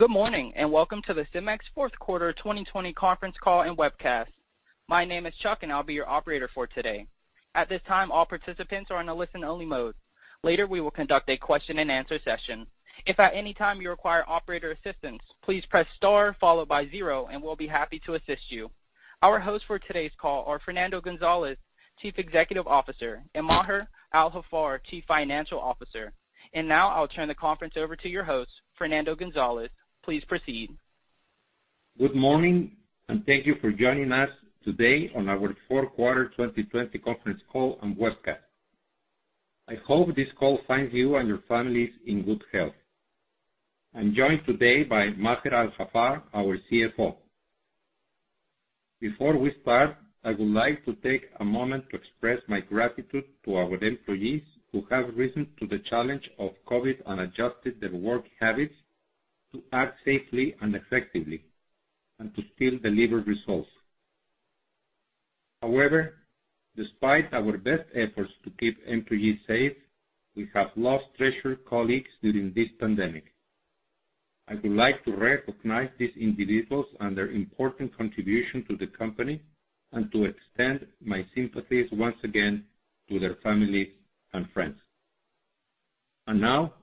Good morning, welcome to the CEMEX fourth quarter 2020 conference call and webcast. My name is Chuck, and I'll be your Operator for today. At this time, all participants are in a listen-only mode. Later, we will conduct a question and answer session. If at any time you require operator assistance, please press star followed by zero, and we'll be happy to assist you. Our hosts for today's call are Fernando González, Chief Executive Officer, and Maher Al-Haffar, Chief Financial Officer. Now I'll turn the conference over to your host, Fernando González. Please proceed. Good morning, thank you for joining us today on our fourth quarter 2020 conference call and webcast. I hope this call finds you and your families in good health. I'm joined today by Maher Al-Haffar, our CFO. Before we start, I would like to take a moment to express my gratitude to our employees who have risen to the challenge of COVID and adjusted their work habits to act safely and effectively, and to still deliver results. However, despite our best efforts to keep employees safe, we have lost treasured colleagues during this pandemic. I would like to recognize these individuals and their important contribution to the company, and to extend my sympathies once again to their families and friends. Now,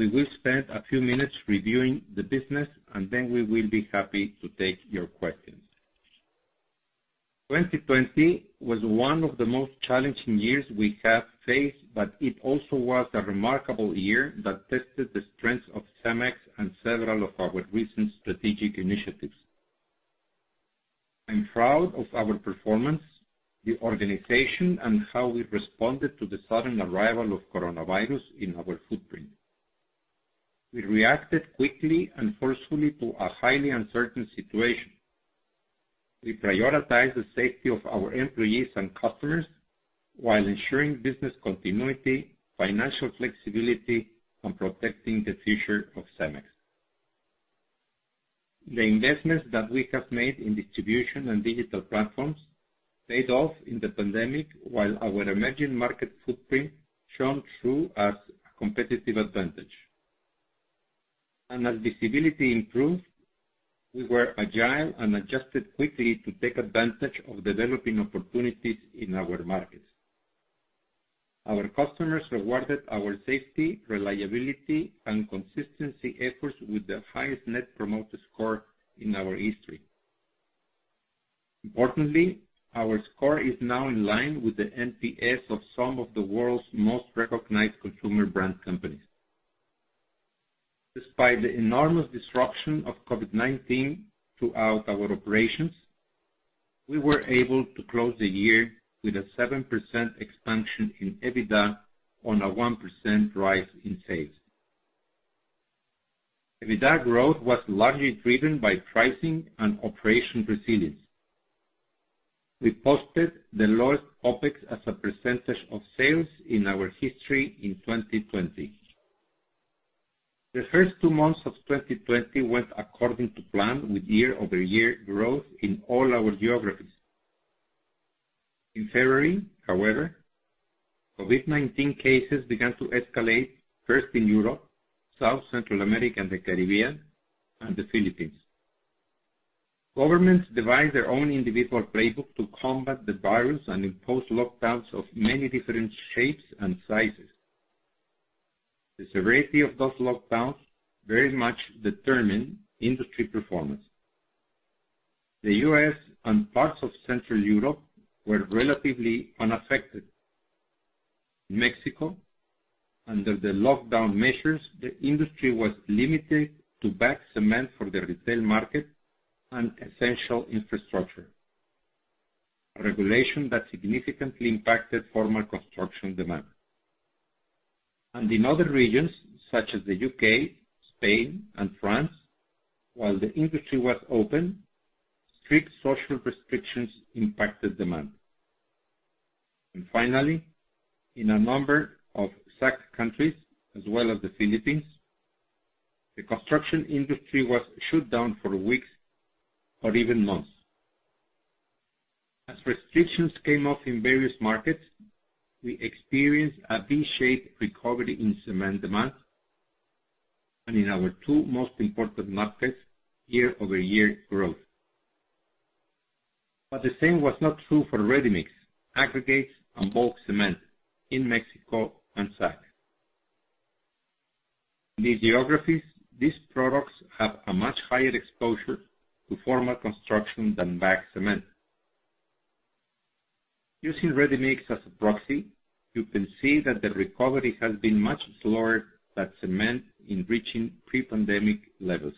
we will spend a few minutes reviewing the business, and then we will be happy to take your questions. 2020 was one of the most challenging years we have faced, it also was a remarkable year that tested the strengths of CEMEX and several of our recent strategic initiatives. I'm proud of our performance, the organization, and how we responded to the sudden arrival of coronavirus in our footprint. We reacted quickly and forcefully to a highly uncertain situation. We prioritized the safety of our employees and customers while ensuring business continuity, financial flexibility, and protecting the future of CEMEX. The investments that we have made in distribution and digital platforms paid off in the pandemic, while our emerging market footprint shone through as a competitive advantage. As visibility improved, we were agile and adjusted quickly to take advantage of developing opportunities in our markets. Our customers rewarded our safety, reliability, and consistency efforts with the highest Net Promoter Score in our history. Our score is now in line with the NPS of some of the world's most recognized consumer brand companies. Despite the enormous disruption of COVID-19 throughout our operations, we were able to close the year with a 7% expansion in EBITDA on a 1% rise in sales. EBITDA growth was largely driven by pricing and Operation Resilience. We posted the lowest OpEx as a percentage of sales in our history in 2020. The first two months of 2020 went according to plan, with year-over-year growth in all our geographies. In February, however, COVID-19 cases began to escalate, first in Europe, South Central America, and the Caribbean, and the Philippines. Governments devised their own individual playbook to combat the virus and impose lockdowns of many different shapes and sizes. The severity of those lockdowns very much determined industry performance. The U.S. and parts of Central Europe were relatively unaffected. Mexico, under the lockdown measures, the industry was limited to bagged cement for the retail market and essential infrastructure. A regulation that significantly impacted formal construction demand. In other regions such as the U.K., Spain, and France, while the industry was open, strict social restrictions impacted demand. Finally, in a number of SCAC countries, as well as the Philippines, the construction industry was shut down for weeks or even months. As restrictions came off in various markets, we experienced a V-shaped recovery in cement demand, and in our two most important markets, year-over-year growth. The same was not true for ready-mix, aggregates, and bulk cement in Mexico and SCAC. In these geographies, these products have a much higher exposure to formal construction than bagged cement. Using ready-mix as a proxy, you can see that the recovery has been much slower than cement in reaching pre-pandemic levels.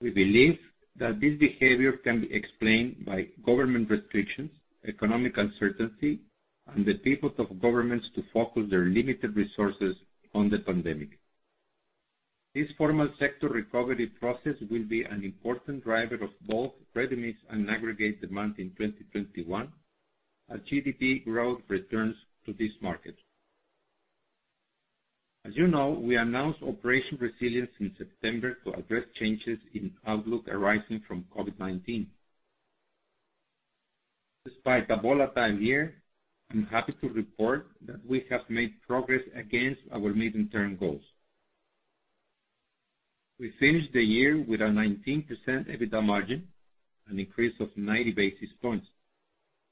We believe that this behavior can be explained by government restrictions, economic uncertainty, and the pivot of governments to focus their limited resources on the pandemic. This formal sector recovery process will be an important driver of both ready-mix and aggregate demand in 2021 as GDP growth returns to these markets. As you know, we announced Operation Resilience in September to address changes in outlook arising from COVID-19. Despite the volatile year, I'm happy to report that we have made progress against our medium-term goals. We finished the year with a 19% EBITDA margin, an increase of 90 basis points,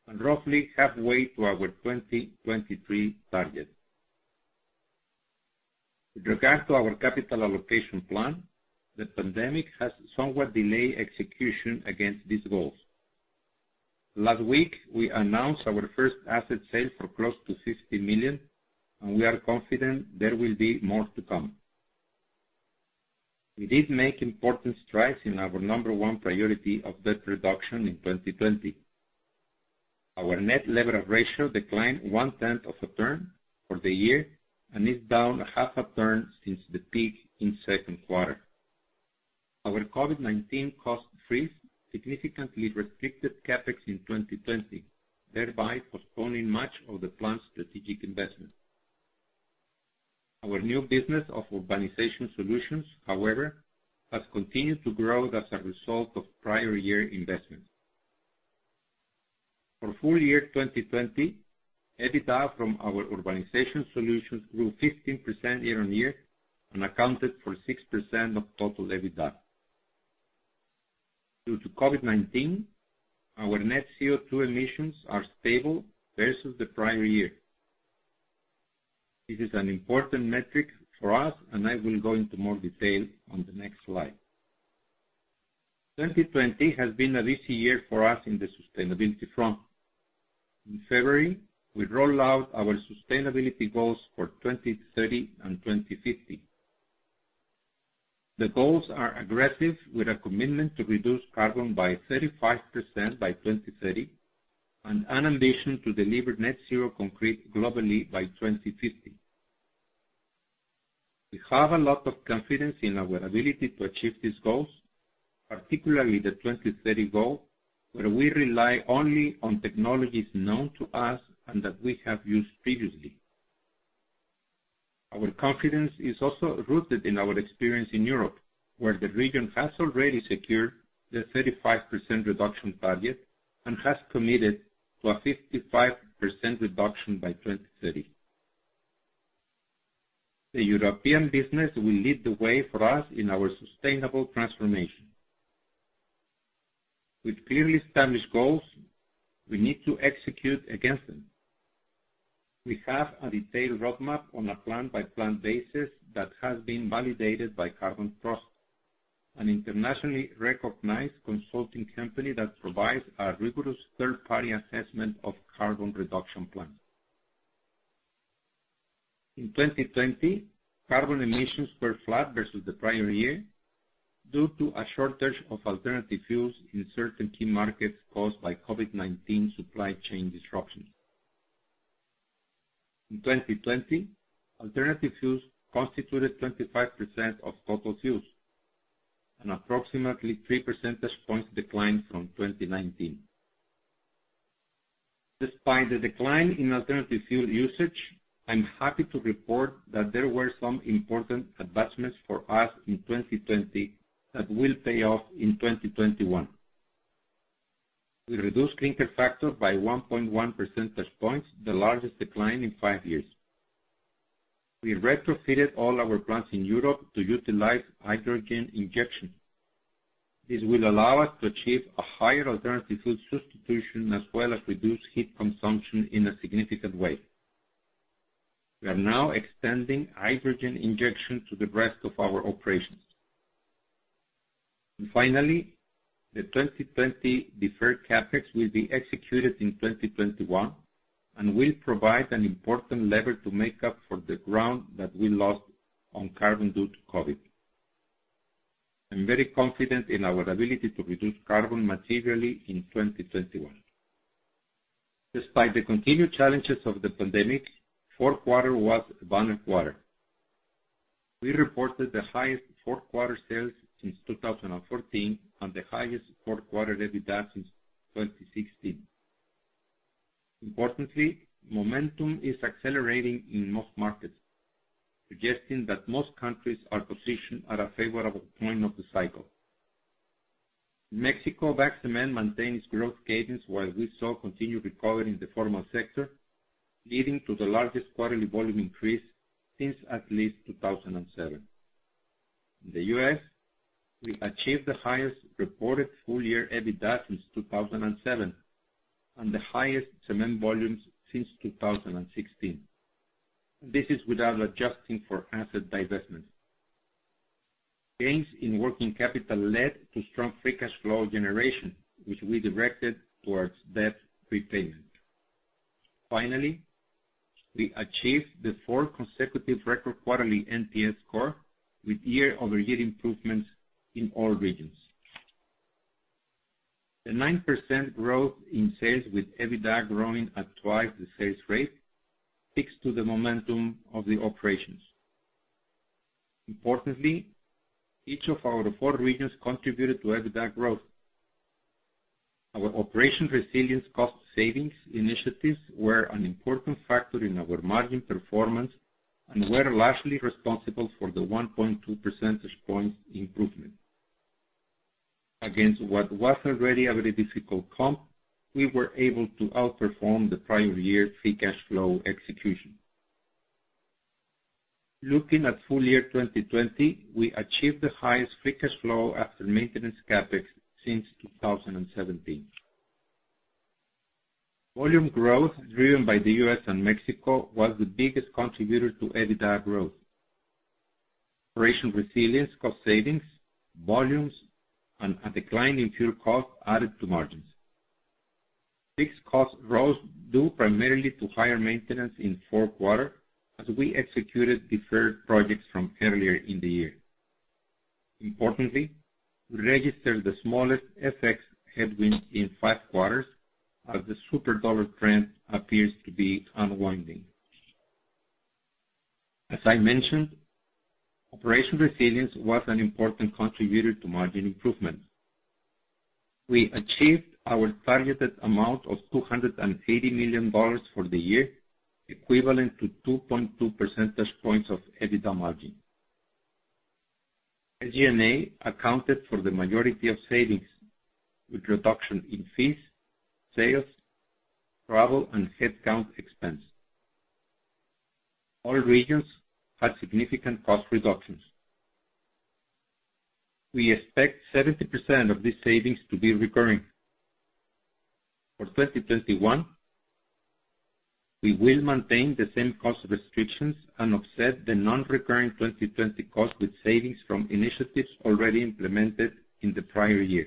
and roughly halfway to our 2023 target. With regard to our capital allocation plan, the pandemic has somewhat delayed execution against these goals. Last week, we announced our first asset sale for close to $60 million, and we are confident there will be more to come. We did make important strides in our number one priority of debt reduction in 2020. Our net leverage ratio declined one-tenth of a turn for the year and is down a half a turn since the peak in the second quarter. Our COVID-19 cost freeze significantly restricted CapEx in 2020, thereby postponing much of the planned strategic investment. Our new business of Urbanization Solutions, however, has continued to grow as a result of prior year investments. For full year 2020, EBITDA from our Urbanization Solutions grew 15% year-on-year and accounted for 6% of total EBITDA. Due to COVID-19, our net CO2 emissions are stable versus the prior year. This is an important metric for us, and I will go into more detail on the next slide. 2020 has been a busy year for us on the sustainability front. In February, we rolled out our sustainability goals for 2030 and 2050. The goals are aggressive, with a commitment to reduce carbon by 35% by 2030 and an ambition to deliver net zero concrete globally by 2050. We have a lot of confidence in our ability to achieve these goals, particularly the 2030 goal, where we rely only on technologies known to us and that we have used previously. Our confidence is also rooted in our experience in Europe, where the region has already secured the 35% reduction target and has committed to a 55% reduction by 2030. The European business will lead the way for us in our sustainable transformation. With clearly established goals, we need to execute against them. We have a detailed roadmap on a plant-by-plant basis that has been validated by Carbon Trust, an internationally recognized consulting company that provides a rigorous third-party assessment of carbon reduction plans. In 2020, carbon emissions were flat versus the prior year due to a shortage of alternative fuels in certain key markets caused by COVID-19 supply chain disruptions. In 2020, alternative fuels constituted 25% of total fuels, an approximately 3 percentage points decline from 2019. Despite the decline in alternative fuel usage, I'm happy to report that there were some important advancements for us in 2020 that will pay off in 2021. We reduced clinker factor by 1.1 percentage points, the largest decline in five years. We retrofitted all our plants in Europe to utilize hydrogen injection. This will allow us to achieve a higher alternative fuel substitution as well as reduce heat consumption in a significant way. We are now extending hydrogen injection to the rest of our operations. Finally, the 2020 deferred CapEx will be executed in 2021 and will provide an important lever to make up for the ground that we lost on carbon due to COVID. I'm very confident in our ability to reduce carbon materially in 2021. Despite the continued challenges of the pandemic, fourth quarter was a banner quarter. We reported the highest fourth quarter sales since 2014 and the highest fourth quarter EBITDA since 2016. Importantly, momentum is accelerating in most markets, suggesting that most countries are positioned at a favorable point of the cycle. In Mexico, bag cement maintained its growth cadence, while we saw continued recovery in the formal sector, leading to the largest quarterly volume increase since at least 2007. In the U.S., we achieved the highest reported full-year EBITDA since 2007 and the highest cement volumes since 2016. This is without adjusting for asset divestment. Gains in working capital led to strong free cash flow generation, which we directed towards debt repayment. Finally, we achieved the fourth consecutive record quarterly NPS score with year-over-year improvements in all regions. The 9% growth in sales with EBITDA growing at twice the sales rate speaks to the momentum of the operations. Importantly, each of our four regions contributed to EBITDA growth. Our Operation Resilience cost savings initiatives were an important factor in our margin performance and were largely responsible for the 1.2 percentage points improvement. Against what was already a very difficult comp, we were able to outperform the prior year free cash flow execution. Looking at full year 2020, we achieved the highest free cash flow after maintenance CapEx since 2017. Volume growth, driven by the U.S. and Mexico, was the biggest contributor to EBITDA growth. Operation Resilience, cost savings, volumes, and a decline in fuel costs added to margins. Fixed costs rose due primarily to higher maintenance in Q4, as we executed deferred projects from earlier in the year. Importantly, we registered the smallest FX headwind in five quarters, as the super dollar trend appears to be unwinding. As I mentioned, Operation Resilience was an important contributor to margin improvement. We achieved our targeted amount of $280 million for the year, equivalent to 2.2 percentage points of EBITDA margin. SG&A accounted for the majority of savings, with reduction in fees, sales, travel, and headcount expense. All regions had significant cost reductions. We expect 70% of these savings to be recurring. For 2021, we will maintain the same cost restrictions and offset the non-recurring 2020 costs with savings from initiatives already implemented in the prior year.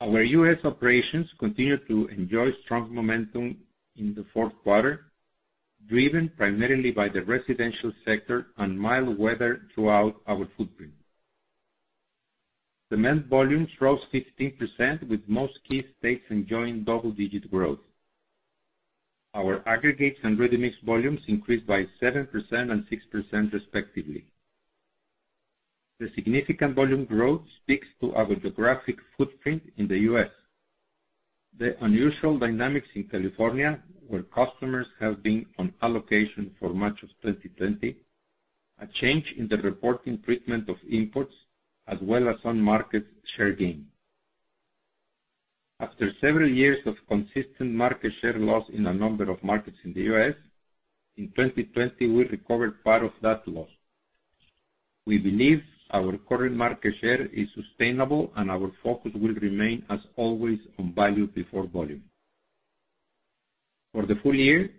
Our U.S. operations continued to enjoy strong momentum in the fourth quarter, driven primarily by the residential sector and mild weather throughout our footprint. Cement volumes rose 15%, with most key states enjoying double-digit growth. Our aggregates and ready-mix volumes increased by 7% and 6% respectively. The significant volume growth speaks to our geographic footprint in the U.S. The unusual dynamics in California, where customers have been on allocation for much of 2020, a change in the reporting treatment of imports, as well as on-market share gain. After several years of consistent market share loss in a number of markets in the U.S., in 2020, we recovered part of that loss. We believe our current market share is sustainable and our focus will remain, as always, on value before volume. For the full year,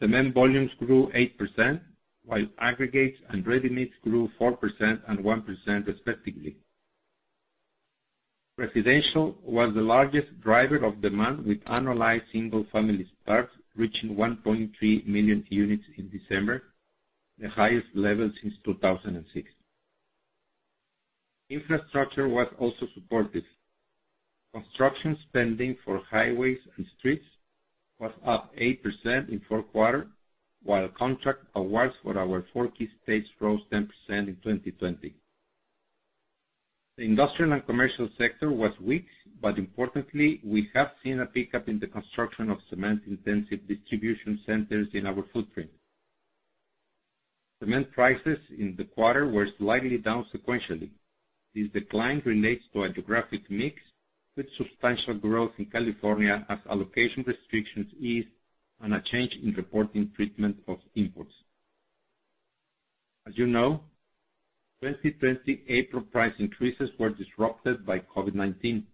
cement volumes grew 8%, while aggregates and ready-mix grew 4% and 1% respectively. Residential was the largest driver of demand, with annualized single-family starts reaching 1.3 million units in December, the highest level since 2006. Infrastructure was also supportive. Construction spending for highways and streets was up 8% in fourth quarter, while contract awards for our four key states rose 10% in 2020. The industrial and commercial sector was weak. Importantly, we have seen a pickup in the construction of cement-intensive distribution centers in our footprint. Cement prices in the quarter were slightly down sequentially. This decline relates to a geographic mix with substantial growth in California as allocation restrictions ease and a change in reporting treatment of imports. As you know, 2020 April price increases were disrupted by COVID-19.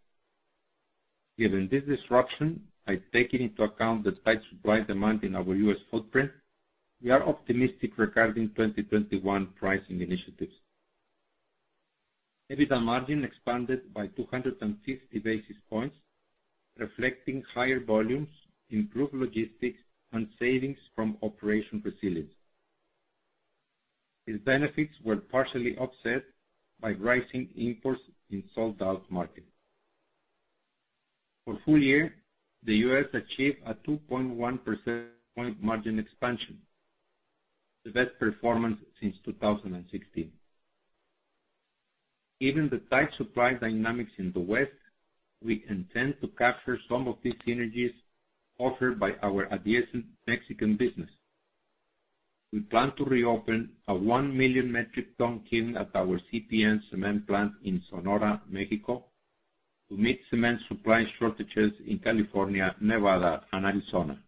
Given this disruption, by taking into account the tight supply-demand in our U.S. footprint, we are optimistic regarding 2021 pricing initiatives. EBITDA margin expanded by 260 basis points, reflecting higher volumes, improved logistics, and savings from Operation Resilience. These benefits were partially offset by rising imports in sold out markets. For full year, the U.S. achieved a 2.1 percentage point margin expansion, the best performance since 2016. Given the tight supply dynamics in the West, we intend to capture some of these synergies offered by our adjacent Mexican business. We plan to reopen a 1 million metric ton kiln at our CPN cement plant in Sonora, Mexico, to meet cement supply shortages in California, Nevada, and Arizona.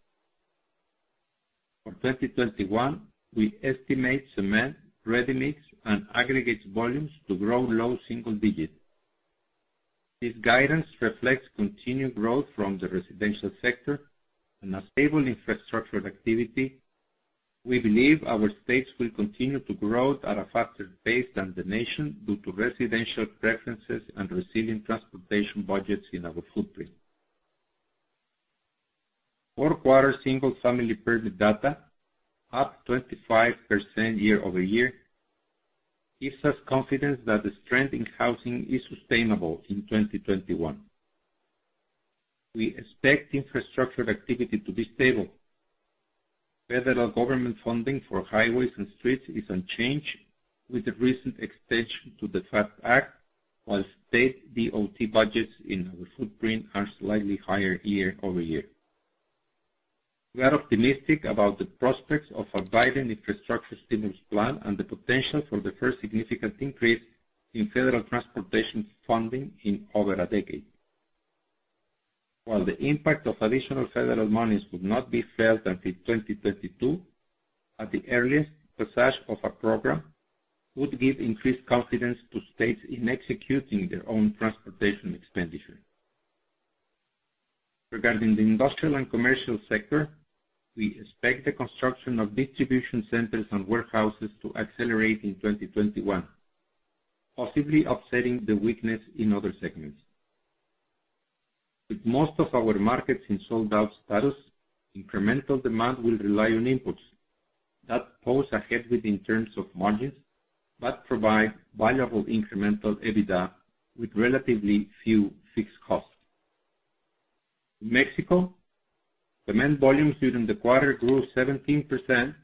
For 2021, we estimate cement, ready-mix, and aggregates volumes to grow low single digits. This guidance reflects continued growth from the residential sector and a stable infrastructure activity. We believe our states will continue to grow at a faster pace than the nation due to residential preferences and resilient transportation budgets in our footprint. Fourth quarter single-family permit data, up 25% year-over-year, gives us confidence that the strength in housing is sustainable in 2021. We expect infrastructure activity to be stable. Federal government funding for highways and streets is unchanged with the recent extension to the FAST Act, while state DOT budgets in our footprint are slightly higher year-over-year. We are optimistic about the prospects of a Biden infrastructure stimulus plan and the potential for the first significant increase in federal transportation funding in over a decade. While the impact of additional federal monies would not be felt until 2022 at the earliest, passage of a program would give increased confidence to states in executing their own transportation expenditure. Regarding the industrial and commercial sector, we expect the construction of distribution centers and warehouses to accelerate in 2021, possibly offsetting the weakness in other segments. With most of our markets in sold-out status, incremental demand will rely on inputs that pose a headwind in terms of margins but provide valuable incremental EBITDA with relatively few fixed costs. Mexico. Cement volumes during the quarter grew 17%,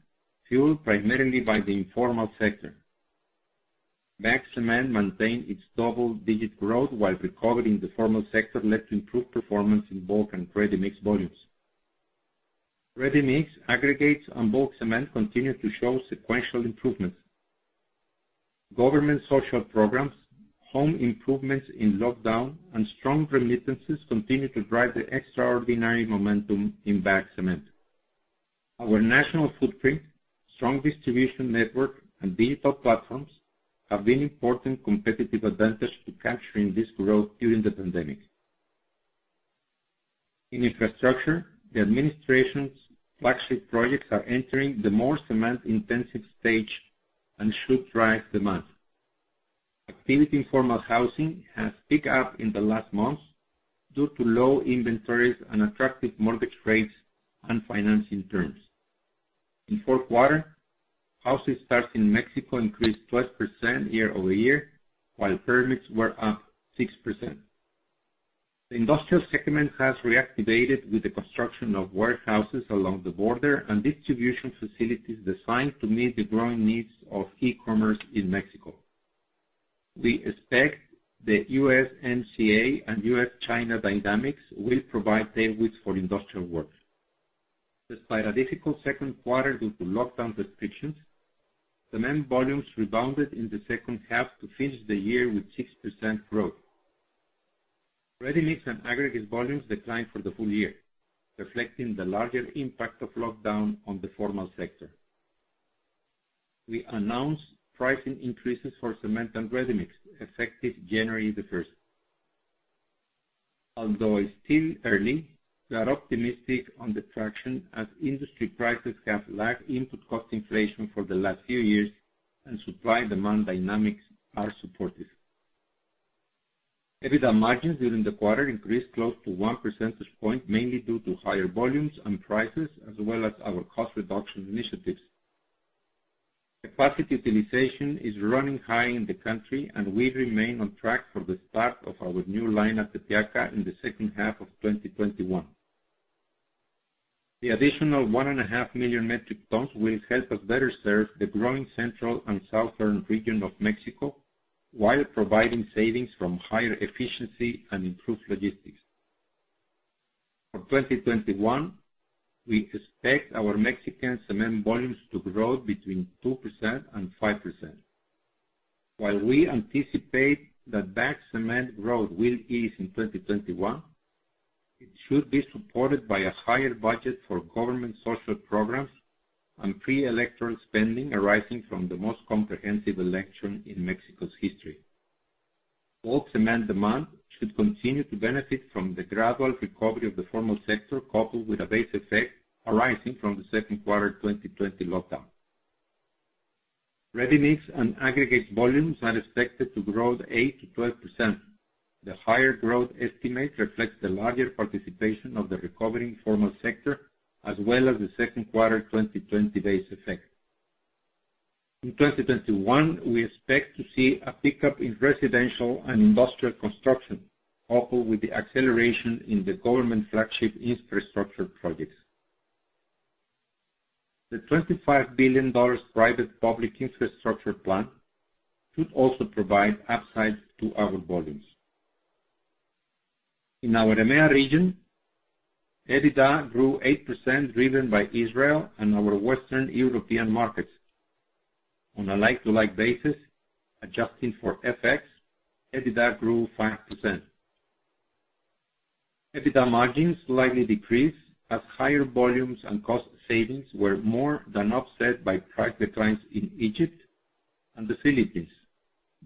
fueled primarily by the informal sector. Bagged cement maintained its double-digit growth while recovery in the formal sector led to improved performance in bulk and ready-mix volumes. Ready-mix aggregates and bulk cement continued to show sequential improvements. Government social programs, home improvements in lockdown, and strong remittances continued to drive the extraordinary momentum in bagged cement. Our national footprint, strong distribution network, and digital platforms have been important competitive advantage to capturing this growth during the pandemic. In infrastructure, the administration's flagship projects are entering the more cement-intensive stage and should drive demand. Activity in formal housing has picked up in the last months due to low inventories and attractive mortgage rates and financing terms. In Q4, housing starts in Mexico increased 12% year-over-year, while permits were up 6%. The industrial segment has reactivated with the construction of warehouses along the border and distribution facilities designed to meet the growing needs of e-commerce in Mexico. We expect the USMCA and US-China dynamics will provide tailwinds for industrial growth. Despite a difficult second quarter due to lockdown restrictions, cement volumes rebounded in the second half to finish the year with 6% growth. Ready-mix and aggregate volumes declined for the full year, reflecting the larger impact of lockdown on the formal sector. We announced pricing increases for cement and ready-mix effective January the first. Although it is still early, we are optimistic on the traction as industry prices have lagged input cost inflation for the last few years and supply and demand dynamics are supportive. EBITDA margins during the quarter increased close to one percentage point, mainly due to higher volumes and prices as well as our cost reduction initiatives. We remain on track for the start of our new line at Tepeaca in the second half of 2021. The additional one and a half million metric tons will help us better serve the growing central and southern region of Mexico while providing savings from higher efficiency and improved logistics. For 2021, we expect our Mexican cement volumes to grow between 2% and 5%. While we anticipate that bagged cement growth will ease in 2021, it should be supported by a higher budget for government social programs and pre-electoral spending arising from the most comprehensive election in Mexico's history. Bulk cement demand should continue to benefit from the gradual recovery of the formal sector, coupled with a base effect arising from the second quarter 2020 lockdown. Ready-mix and aggregate volumes are expected to grow 8%-12%. The higher growth estimate reflects the larger participation of the recovering formal sector, as well as the second quarter 2020 base effect. In 2021, we expect to see a pickup in residential and industrial construction, coupled with the acceleration in the government flagship infrastructure projects. The $25 billion private-public infrastructure plan should also provide upside to our volumes. In our EMEA region, EBITDA grew 8%, driven by Israel and our Western European markets. On a like-to-like basis, adjusting for FX, EBITDA grew 5%. EBITDA margins slightly decreased as higher volumes and cost savings were more than offset by price declines in Egypt and the Philippines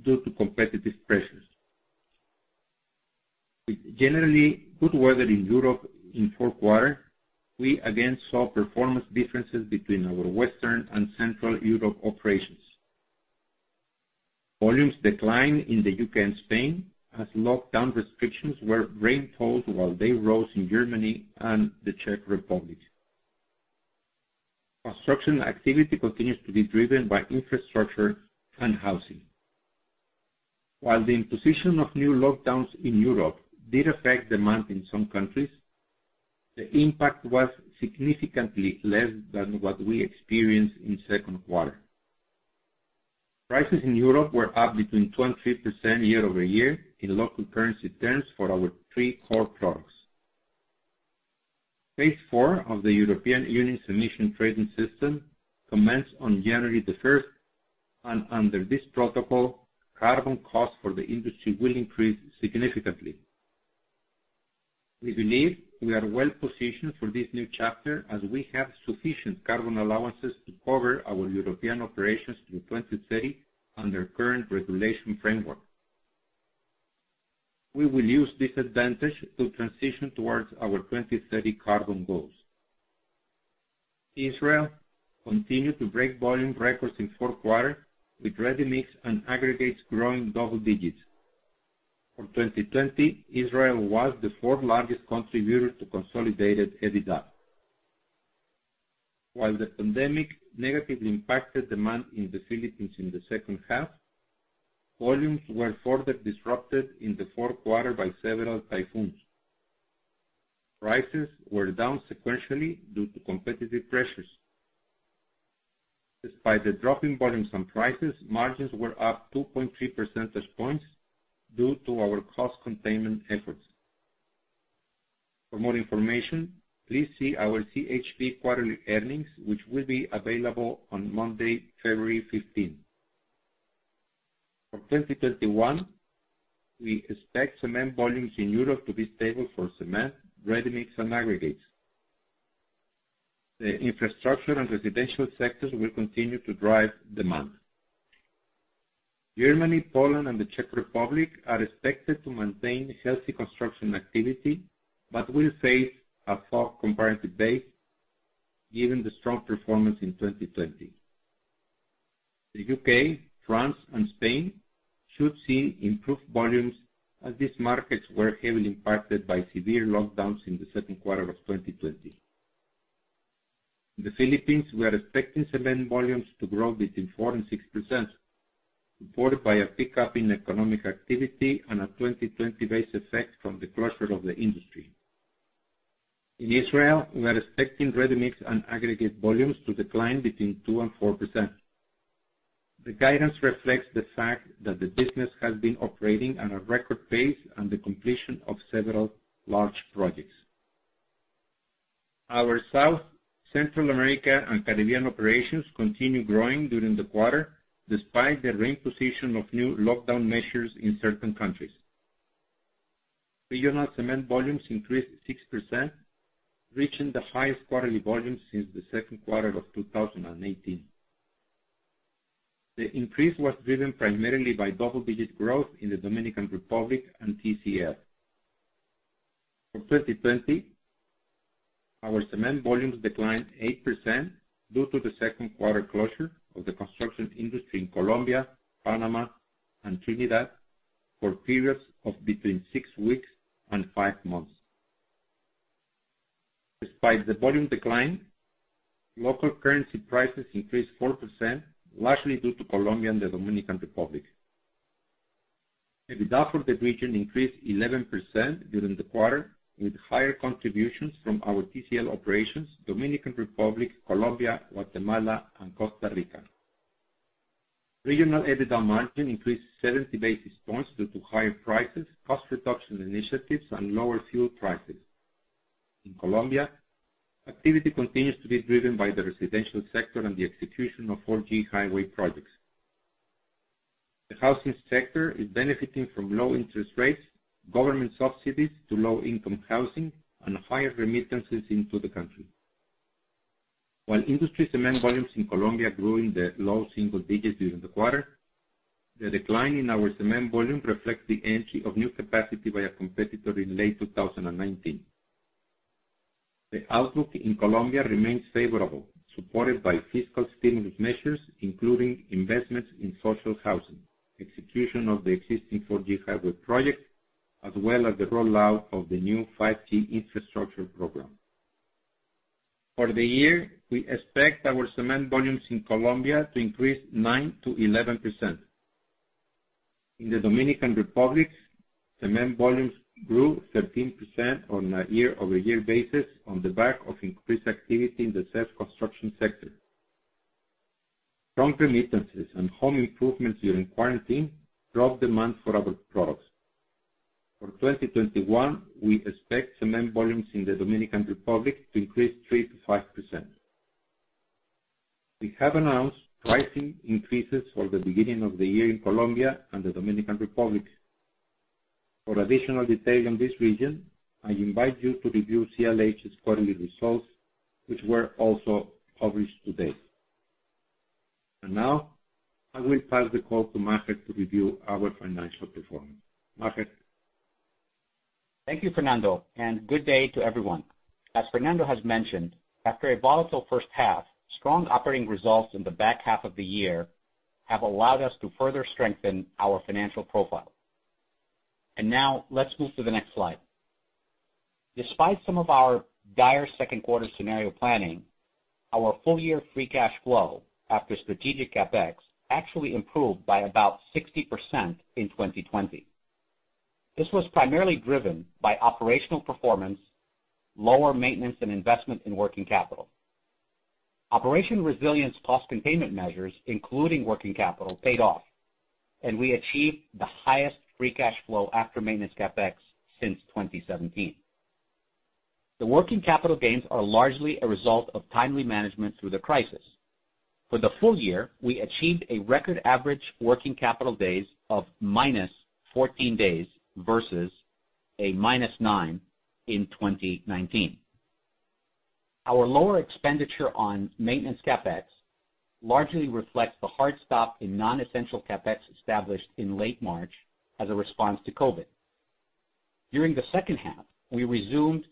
due to competitive pressures. With generally good weather in Europe in Q4, we again saw performance differences between our Western and Central Europe operations. Volumes declined in the U.K. and Spain as lockdown restrictions were reinforced, while they rose in Germany and the Czech Republic. Construction activity continues to be driven by infrastructure and housing. While the imposition of new lockdowns in Europe did affect demand in some countries, the impact was significantly less than what we experienced in second quarter. Prices in Europe were up between 2%-3% year-over-year in local currency terms for our three core products. Phase IV of the European Union's Emissions Trading System commenced on January the 1st. Under this protocol, carbon costs for the industry will increase significantly. We believe we are well-positioned for this new chapter, as we have sufficient carbon allowances to cover our European operations through 2030 under current regulation framework. We will use this advantage to transition towards our 2030 carbon goals. Israel continued to break volume records in fourth quarter, with ready-mix and aggregates growing double digits. For 2020, Israel was the fourth largest contributor to consolidated EBITDA. While the pandemic negatively impacted demand in the Philippines in the second half, volumes were further disrupted in the fourth quarter by several typhoons. Prices were down sequentially due to competitive pressures. Despite the drop in volumes and prices, margins were up 2.3 percentage points due to our cost containment efforts. For more information, please see our CHP quarterly earnings, which will be available on Monday, February 15. For 2021, we expect cement volumes in Europe to be stable for cement, ready-mix, and aggregates. The infrastructure and residential sectors will continue to drive demand. Germany, Poland, and the Czech Republic are expected to maintain healthy construction activity, but will face a tough comparative base given the strong performance in 2020. The U.K., France, and Spain should see improved volumes, as these markets were heavily impacted by severe lockdowns in the second quarter of 2020. In the Philippines, we are expecting cement volumes to grow between 4% and 6%, supported by a pickup in economic activity and a 2020 base effect from the closure of the industry. In Israel, we are expecting ready-mix and aggregate volumes to decline between 2% and 4%. The guidance reflects the fact that the business has been operating at a record pace and the completion of several large projects. Our South, Central America, and Caribbean operations continued growing during the quarter, despite the reimposition of new lockdown measures in certain countries. Regional cement volumes increased 6%, reaching the highest quarterly volumes since the second quarter of 2018. The increase was driven primarily by double-digit growth in the Dominican Republic and TCL. For 2020, our cement volumes declined 8% due to the second quarter closure of the construction industry in Colombia, Panama, and Trinidad for periods of between six weeks and five months. Despite the volume decline, local currency prices increased 4%, largely due to Colombia and the Dominican Republic. EBITDA for the region increased 11% during the quarter, with higher contributions from our TCL operations, Dominican Republic, Colombia, Guatemala, and Costa Rica. Regional EBITDA margin increased 70 basis points due to higher prices, cost reduction initiatives, and lower fuel prices. In Colombia, activity continues to be driven by the residential sector and the execution of 4G highway projects. The housing sector is benefiting from low interest rates, government subsidies to low income housing, and higher remittances into the country. While industry cement volumes in Colombia grew in the low single digits during the quarter, the decline in our cement volume reflects the entry of new capacity by a competitor in late 2019. The outlook in Colombia remains favorable, supported by fiscal stimulus measures, including investments in social housing, execution of the existing 4G highway project, as well as the rollout of the new 5G infrastructure program. For the year, we expect our cement volumes in Colombia to increase 9%-11%. In the Dominican Republic, cement volumes grew 13% on a year-over-year basis on the back of increased activity in the self-construction sector. Strong remittances and home improvements during quarantine drove demand for our products. For 2021, we expect cement volumes in the Dominican Republic to increase 3% to 5%. We have announced pricing increases for the beginning of the year in Colombia and the Dominican Republic. For additional detail on this region, I invite you to review CLH's quarterly results, which were also published today. Now, I will pass the call to Maher to review our financial performance. Maher? Thank you, Fernando, good day to everyone. As Fernando has mentioned, after a volatile first half, strong operating results in the back half of the year have allowed us to further strengthen our financial profile. Now let's move to the next slide. Despite some of our dire second quarter scenario planning, our full year free cash flow after strategic CapEx actually improved by about 60% in 2020. This was primarily driven by operational performance, lower maintenance, and investment in working capital. Operation Resilience cost containment measures, including working capital, paid off, and we achieved the highest free cash flow after maintenance CapEx since 2017. The working capital gains are largely a result of timely management through the crisis. For the full year, we achieved a record average working capital days of -14 days versus a -9 in 2019. Our lower expenditure on maintenance CapEx largely reflects the hard stop in non-essential CapEx established in late March as a response to COVID. During the second half, we resumed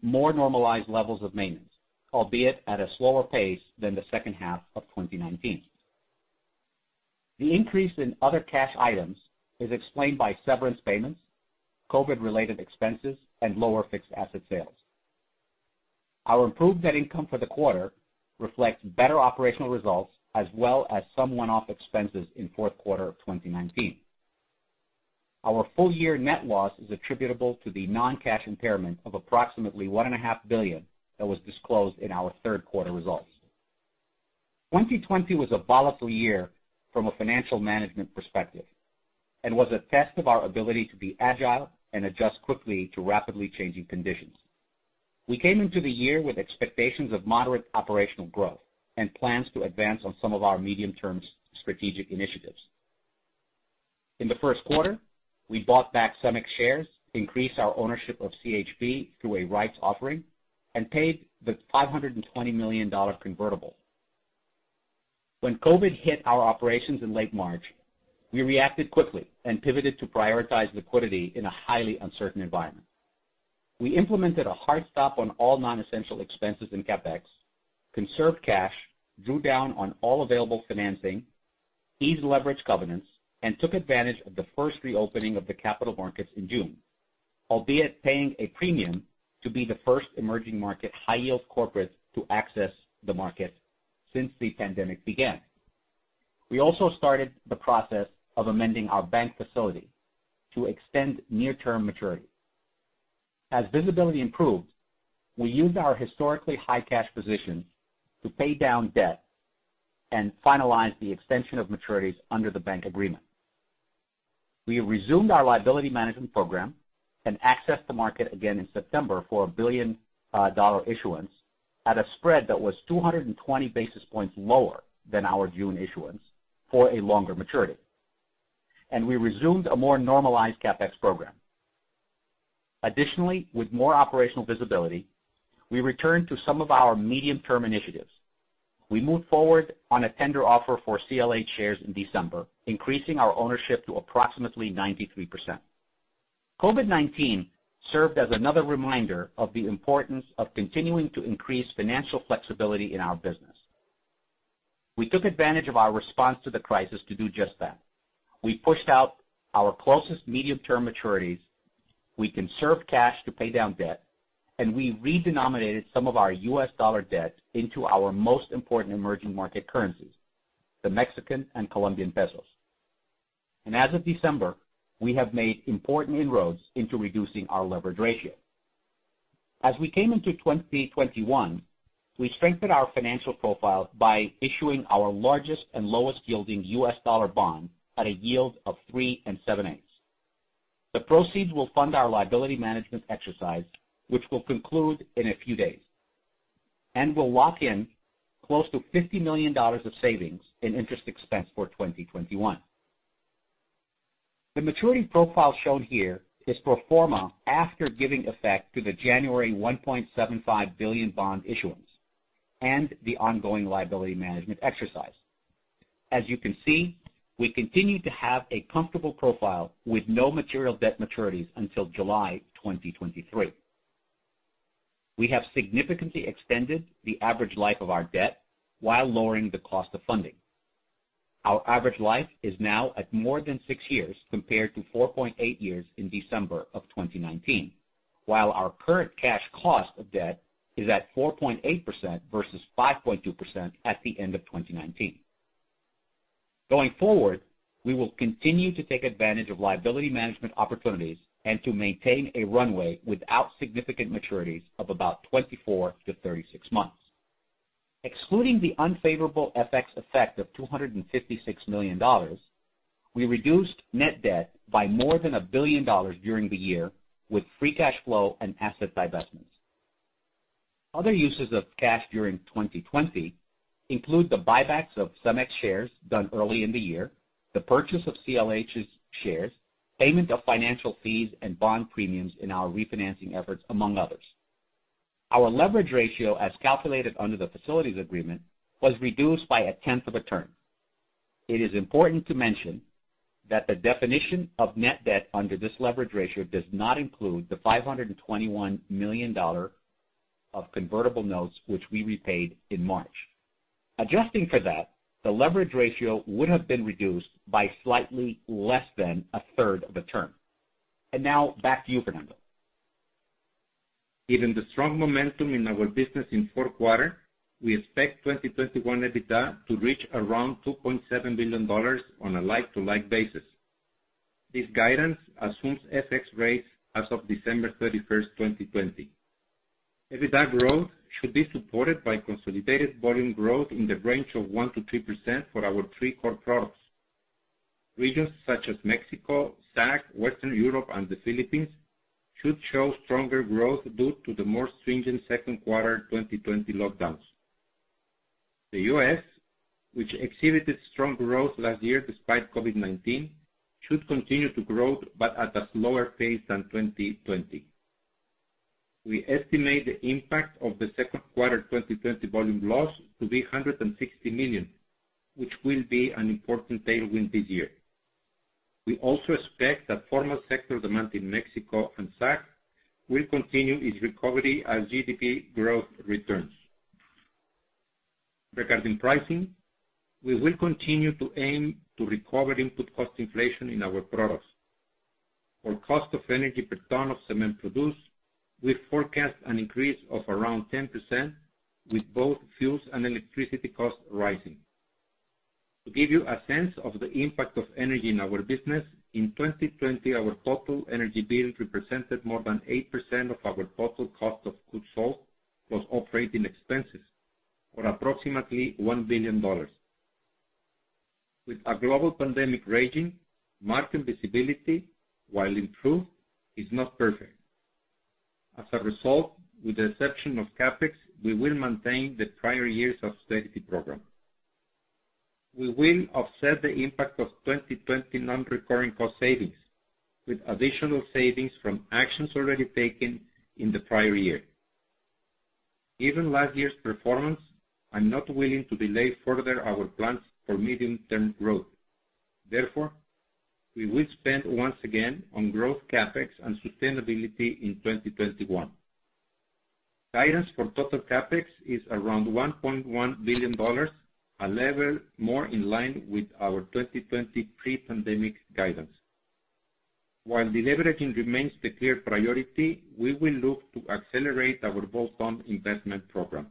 more normalized levels of maintenance, albeit at a slower pace than the second half of 2019. The increase in other cash items is explained by severance payments, COVID-related expenses, and lower fixed asset sales. Our improved net income for the quarter reflects better operational results as well as some one-off expenses in fourth quarter of 2019. Our full-year net loss is attributable to the non-cash impairment of approximately $1.5 billion that was disclosed in our third quarter results. 2020 was a volatile year from a financial management perspective and was a test of our ability to be agile and adjust quickly to rapidly changing conditions. We came into the year with expectations of moderate operational growth and plans to advance on some of our medium-term strategic initiatives. In the first quarter, we bought back CEMEX shares, increased our ownership of CLH through a rights offering, and paid the $520 million convertible. When COVID hit our operations in late March, we reacted quickly and pivoted to prioritize liquidity in a highly uncertain environment. We implemented a hard stop on all non-essential expenses and CapEx, conserved cash, drew down on all available financing, eased leverage covenants, and took advantage of the first reopening of the capital markets in June, albeit paying a premium to be the first emerging market high-yield corporate to access the market since the pandemic began. We also started the process of amending our bank facility to extend near-term maturity. As visibility improved, we used our historically high cash positions to pay down debt and finalized the extension of maturities under the bank agreement. We resumed our liability management program and accessed the market again in September for a $1 billion issuance at a spread that was 220 basis points lower than our June issuance for a longer maturity. We resumed a more normalized CapEx program. Additionally, with more operational visibility, we returned to some of our medium-term initiatives. We moved forward on a tender offer for CLH shares in December, increasing our ownership to approximately 93%. COVID-19 served as another reminder of the importance of continuing to increase financial flexibility in our business. We took advantage of our response to the crisis to do just that. We pushed out our closest medium-term maturities, we conserved cash to pay down debt, we redenominated some of our U.S. dollar debt into our most important emerging market currencies, the Mexican and Colombian pesos. As of December, we have made important inroads into reducing our leverage ratio. As we came into 2021, we strengthened our financial profile by issuing our largest and lowest yielding U.S. dollar bond at a yield of three and 7/8. The proceeds will fund our liability management exercise, which will conclude in a few days, will lock in close to $50 million of savings in interest expense for 2021. The maturity profile shown here is pro forma after giving effect to the January $1.75 billion bond issuance and the ongoing liability management exercise. As you can see, we continue to have a comfortable profile with no material debt maturities until July 2023. We have significantly extended the average life of our debt while lowering the cost of funding. Our average life is now at more than six years, compared to 4.8 years in December of 2019. While our current cash cost of debt is at 4.8% versus 5.2% at the end of 2019. Going forward, we will continue to take advantage of liability management opportunities and to maintain a runway without significant maturities of about 24-36 months. Excluding the unfavorable FX effect of $256 million, we reduced net debt by more than $1 billion during the year with free cash flow and asset divestments. Other uses of cash during 2020 include the buybacks of Cemex shares done early in the year, the purchase of CLH's shares, payment of financial fees and bond premiums in our refinancing efforts, among others. Our leverage ratio, as calculated under the facilities agreement, was reduced by a tenth of a turn. It is important to mention that the definition of net debt under this leverage ratio does not include the $521 million of convertible notes, which we repaid in March. Adjusting for that, the leverage ratio would have been reduced by slightly less than a third of a turn. Now back to you, Fernando. Given the strong momentum in our business in fourth quarter, we expect 2021 EBITDA to reach around $2.7 billion on a like-to-like basis. This guidance assumes FX rates as of December 31st, 2020. EBITDA growth should be supported by consolidated volume growth in the range of 1%-3% for our three core products. Regions such as Mexico, SCAC, Western Europe, and the Philippines should show stronger growth due to the more stringent second quarter 2020 lockdowns. The U.S., which exhibited strong growth last year despite COVID-19, should continue to grow, but at a slower pace than 2020. We estimate the impact of the second quarter 2020 volume loss to be $160 million, which will be an important tailwind this year. We also expect that formal sector demand in Mexico and SCAC will continue its recovery as GDP growth returns. Regarding pricing, we will continue to aim to recover input cost inflation in our products. For cost of energy per ton of cement produced, we forecast an increase of around 10%, with both fuels and electricity costs rising. To give you a sense of the impact of energy in our business, in 2020, our total energy bill represented more than 8% of our total cost of goods sold, plus operating expenses, for approximately $1 billion. With a global pandemic raging, market visibility, while improved, is not perfect. As a result, with the exception of CapEx, we will maintain the prior years' austerity program. We will offset the impact of 2020 non-recurring cost savings with additional savings from actions already taken in the prior year. Given last year's performance, I'm not willing to delay further our plans for medium-term growth. Therefore, we will spend once again on growth CapEx and sustainability in 2021. Guidance for total CapEx is around $1.1 billion, a level more in line with our 2020 pre-pandemic guidance. While deleveraging remains the clear priority, we will look to accelerate our bolt-on investment program.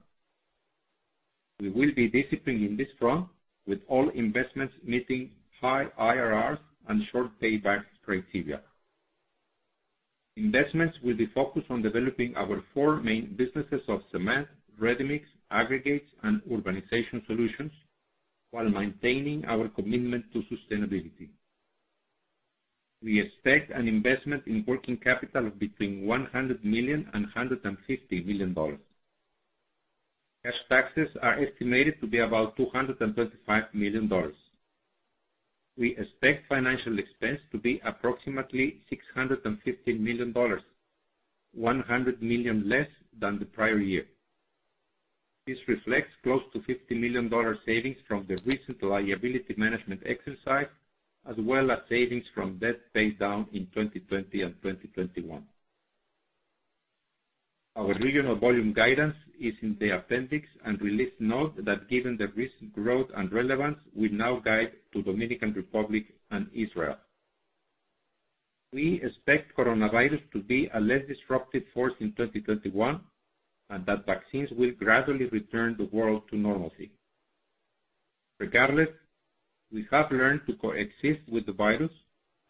We will be disciplined in this front, with all investments meeting high IRRs and short payback criteria. Investments will be focused on developing our four main businesses of cement, ready-mix, aggregates, and Urbanization Solutions, while maintaining our commitment to sustainability. We expect an investment in working capital of between $100 million and $150 million. Cash taxes are estimated to be about $225 million. We expect financial expense to be approximately $650 million, $100 million less than the prior year. This reflects close to $50 million savings from the recent liability management exercise, as well as savings from debt paydown in 2020 and 2021. Our regional volume guidance is in the appendix, and we please note that given the recent growth and relevance, we now guide to Dominican Republic and Israel. We expect coronavirus to be a less disruptive force in 2021, and that vaccines will gradually return the world to normalcy. Regardless, we have learned to coexist with the virus,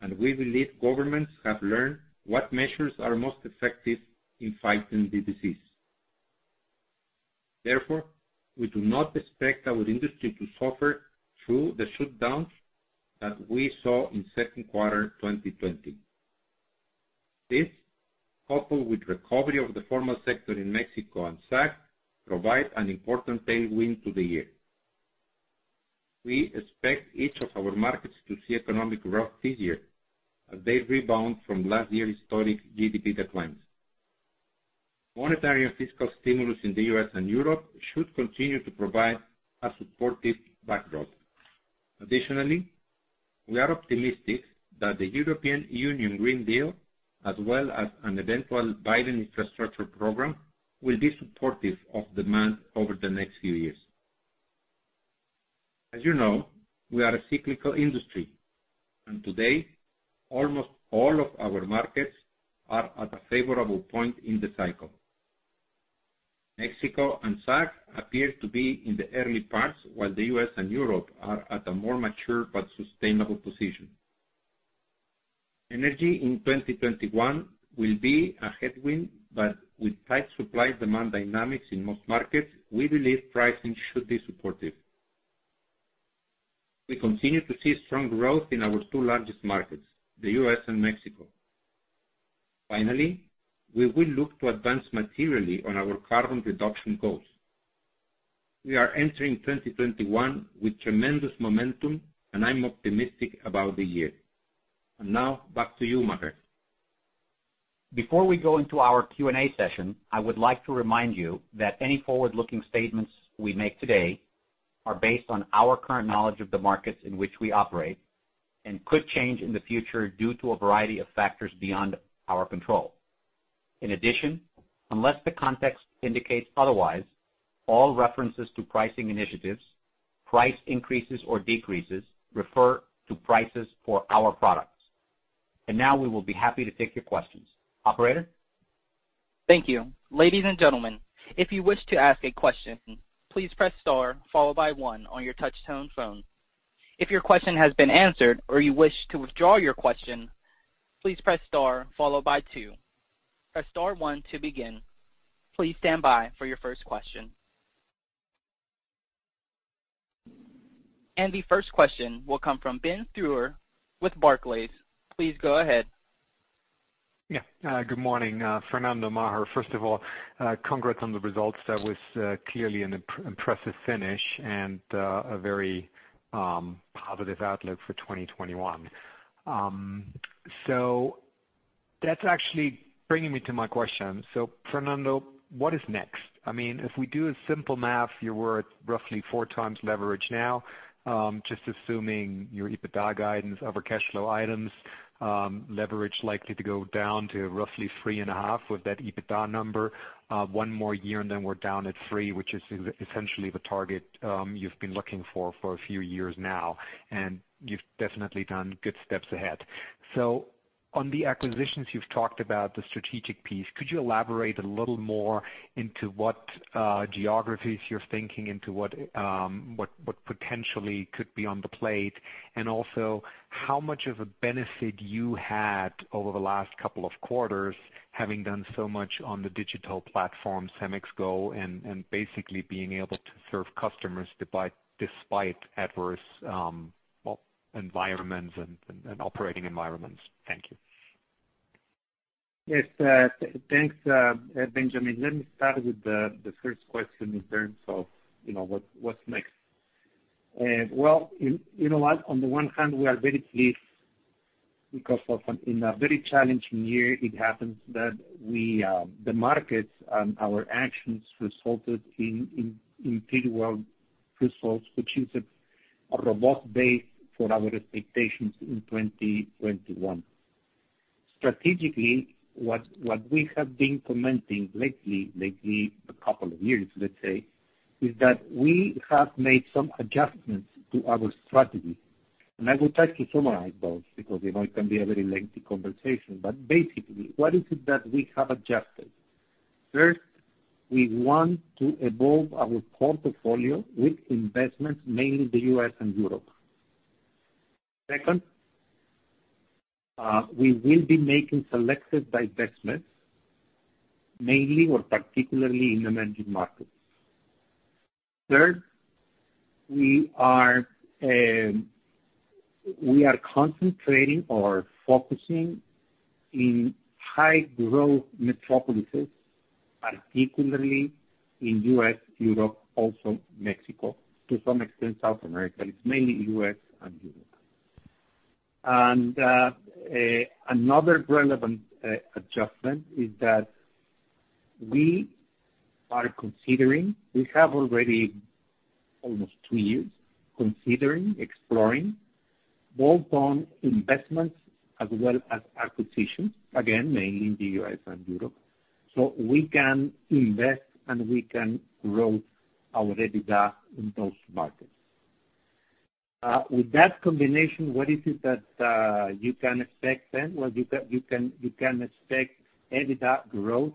and we believe governments have learned what measures are most effective in fighting the disease. Therefore, we do not expect our industry to suffer through the shutdowns that we saw in second quarter 2020. This, coupled with recovery of the formal sector in Mexico and SCAC, provide an important tailwind to the year. We expect each of our markets to see economic growth this year as they rebound from last year's historic GDP declines. Monetary and fiscal stimulus in the U.S. and Europe should continue to provide a supportive backdrop. Additionally, we are optimistic that the European Green Deal, as well as an eventual Biden infrastructure program, will be supportive of demand over the next few years. As you know, we are a cyclical industry, and today, almost all of our markets are at a favorable point in the cycle. Mexico and SCAC appear to be in the early parts, while the U.S. and Europe are at a more mature but sustainable position. Energy in 2021 will be a headwind, but with tight supply-demand dynamics in most markets, we believe pricing should be supportive. We continue to see strong growth in our two largest markets, the U.S. and Mexico. Finally, we will look to advance materially on our carbon reduction goals. We are entering 2021 with tremendous momentum, and I'm optimistic about the year. Now, back to you, Maher. Before we go into our Q&A session, I would like to remind you that any forward-looking statements we make today are based on our current knowledge of the markets in which we operate, and could change in the future due to a variety of factors beyond our control. In addition, unless the context indicates otherwise, all references to pricing initiatives Price increases or decreases refer to prices for our products. Now we will be happy to take your questions. Operator? The first question will come from Benjamin Theurer with Barclays. Please go ahead. Yeah. Good morning, Fernando, Maher. First of all, congrats on the results. That was clearly an impressive finish and a very positive outlook for 2021. That's actually bringing me to my question. Fernando, what is next? If we do a simple math, you're worth roughly 4x leverage now, just assuming your EBITDA guidance over cash flow items, leverage likely to go down to roughly 3.5 with that EBITDA number. One more year, and then we're down at three, which is essentially the target you've been looking for for a few years now, and you've definitely done good steps ahead. On the acquisitions, you've talked about the strategic piece. Could you elaborate a little more into what geographies you're thinking, into what potentially could be on the plate? Also, how much of a benefit you had over the last couple of quarters, having done so much on the digital platform, CEMEX Go, and basically being able to serve customers despite adverse environments and operating environments. Thank you. Yes. Thanks, Benjamin. Let me start with the first question in terms of what's next. Well, you know what? On the one hand, we are very pleased because in a very challenging year, it happens that the markets and our actions resulted in pretty well results, which is a robust base for our expectations in 2021. Strategically, what we have been commenting lately, a couple of years, let's say, is that we have made some adjustments to our strategy, and I will try to summarize those because it can be a very lengthy conversation. Basically, what is it that we have adjusted? First, we want to evolve our core portfolio with investments, mainly in the U.S. and Europe. Second, we will be making selective divestments, mainly or particularly in emerging markets. Third, we are concentrating or focusing in high growth metropolises, particularly in U.S., Europe, also Mexico, to some extent South America. It's mainly U.S. and Europe. Another relevant adjustment is that we are considering, we have already almost two years considering exploring bolt-on investments as well as acquisitions, again, mainly in the U.S. and Europe. We can invest and we can grow our EBITDA in those markets. With that combination, what is it that you can expect then? Well, you can expect EBITDA growth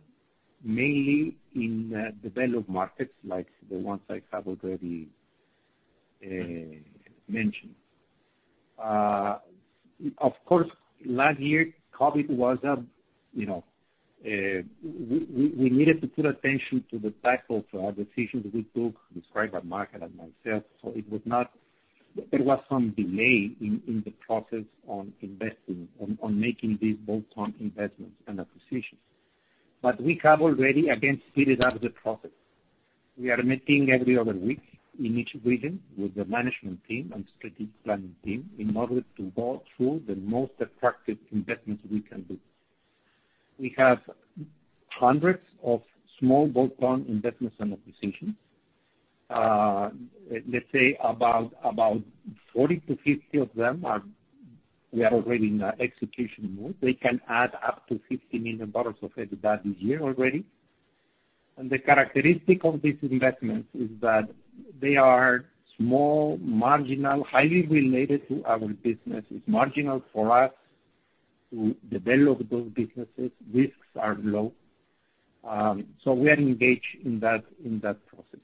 mainly in developed markets like the ones I have already mentioned. Of course, last year, COVID was up. We needed to put attention to the type of decisions we took, describe our Maher and myself. There was some delay in the process on investing, on making these bolt-on investments and acquisitions. We have already again speeded up the process. We are meeting every other week in each region with the management team and strategic planning team in order to go through the most attractive investments we can do. We have hundreds of small bolt-on investments and acquisitions. Let's say about 40-50 of them, we are already in execution mode. They can add up to $50 million of EBITDA this year already. The characteristic of these investments is that they are small, marginal, highly related to our business. It's marginal for us to develop those businesses. Risks are low. We are engaged in that process.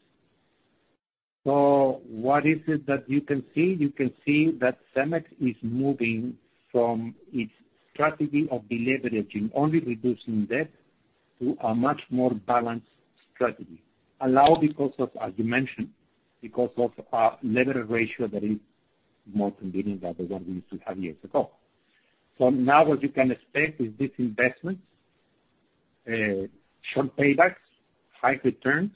What is it that you can see? You can see that CEMEX is moving from its strategy of deleveraging, only reducing debt, to a much more balanced strategy. Allowed because of, as you mentioned, because of our leverage ratio that is more convenient than the one we used to have years ago. Now what you can expect is these investments, short paybacks, high returns,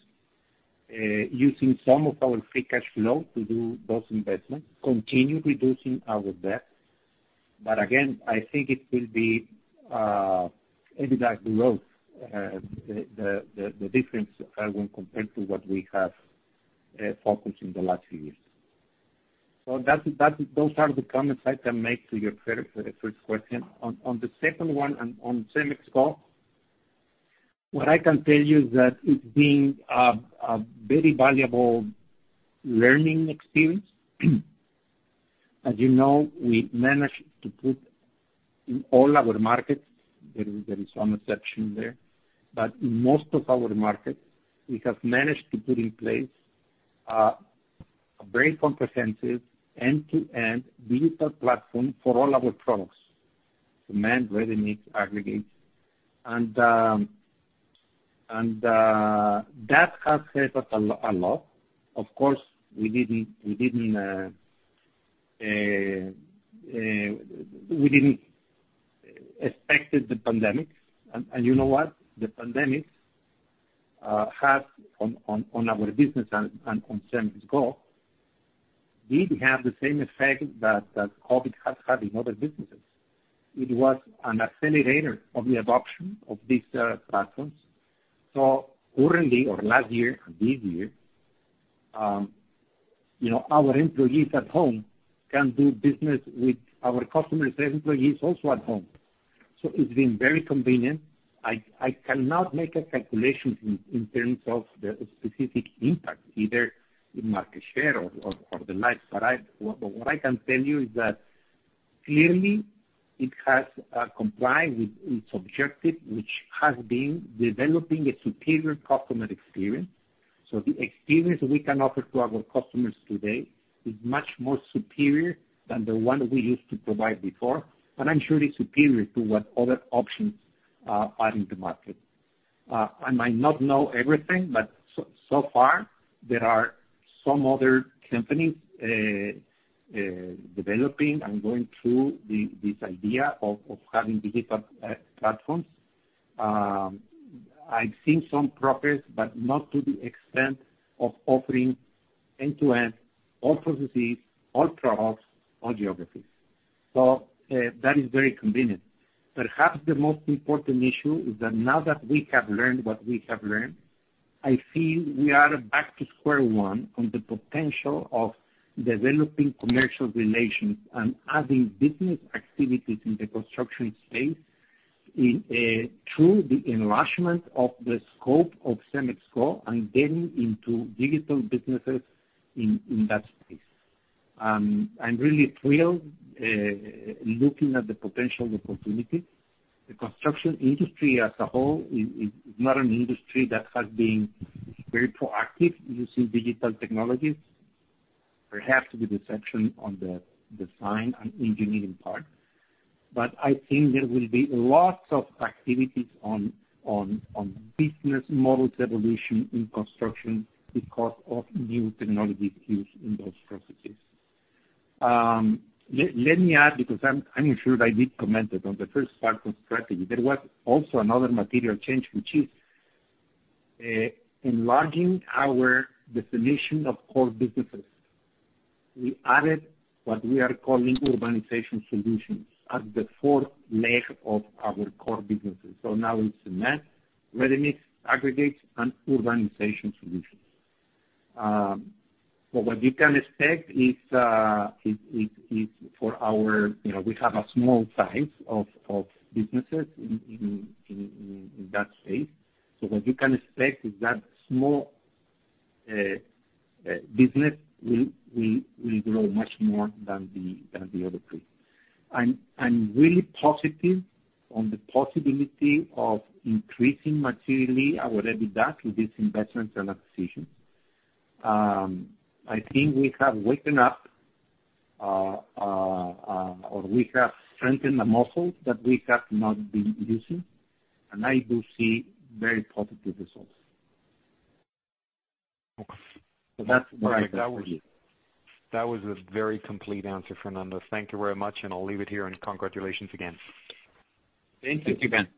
using some of our free cash flow to do those investments, continue reducing our debt. Again, I think it will be EBITDA growth, the difference when compared to what we have focused in the last few years. Those are the comments I can make to your first question. On the second one, on CEMEX Go. What I can tell you is that it's been a very valuable learning experience. As you know, we managed to put in all our markets, there is some exception there, but in most of our markets, we have managed to put in place a very comprehensive end-to-end digital platform for all our products, cement, ready-mix, aggregates, and that has helped us a lot. Of course, we didn't expect the pandemic. You know what? The pandemic had on our business and on CEMEX Go, didn't have the same effect that COVID has had in other businesses. It was an accelerator of the adoption of these platforms. Currently, or last year and this year, our employees at home can do business with our customers and employees also at home. It's been very convenient. I cannot make a calculation in terms of the specific impact, either in market share or the likes. What I can tell you is that clearly, it has complied with its objective, which has been developing a superior customer experience. The experience we can offer to our customers today is much more superior than the one we used to provide before, and I'm sure it's superior to what other options are in the market. I might not know everything, but so far, there are some other companies developing and going through this idea of having digital platforms. I've seen some progress, but not to the extent of offering end-to-end, all processes, all products, all geographies. That is very convenient. Perhaps the most important issue is that now that we have learned what we have learned, I feel we are back to square one on the potential of developing commercial relations and adding business activities in the construction space through the enlargement of the scope of CEMEX Go and getting into digital businesses in that space. I'm really thrilled looking at the potential opportunities. The construction industry as a whole is not an industry that has been very proactive in using digital technologies, perhaps with exception on the design and engineering part. I think there will be lots of activities on business model evolution in construction because of new technologies used in those processes. Let me add, because I'm sure I did comment it on the first part of strategy. There was also another material change, which is enlarging our definition of core businesses. We added what we are calling Urbanization Solutions as the fourth leg of our core businesses. Now it's cement, ready-mix, aggregates, and Urbanization Solutions. What you can expect is we have a small size of businesses in that space. What you can expect is that small business will grow much more than the other three. I'm really positive on the possibility of increasing materially our EBITDA with these investments and acquisitions. I think we have woken up, or we have strengthened a muscle that we have not been using, and I do see very positive results. That's what I can tell you. Right. That was a very complete answer, Fernando. Thank you very much, and I'll leave it here, and congratulations again. Thank you, Ben.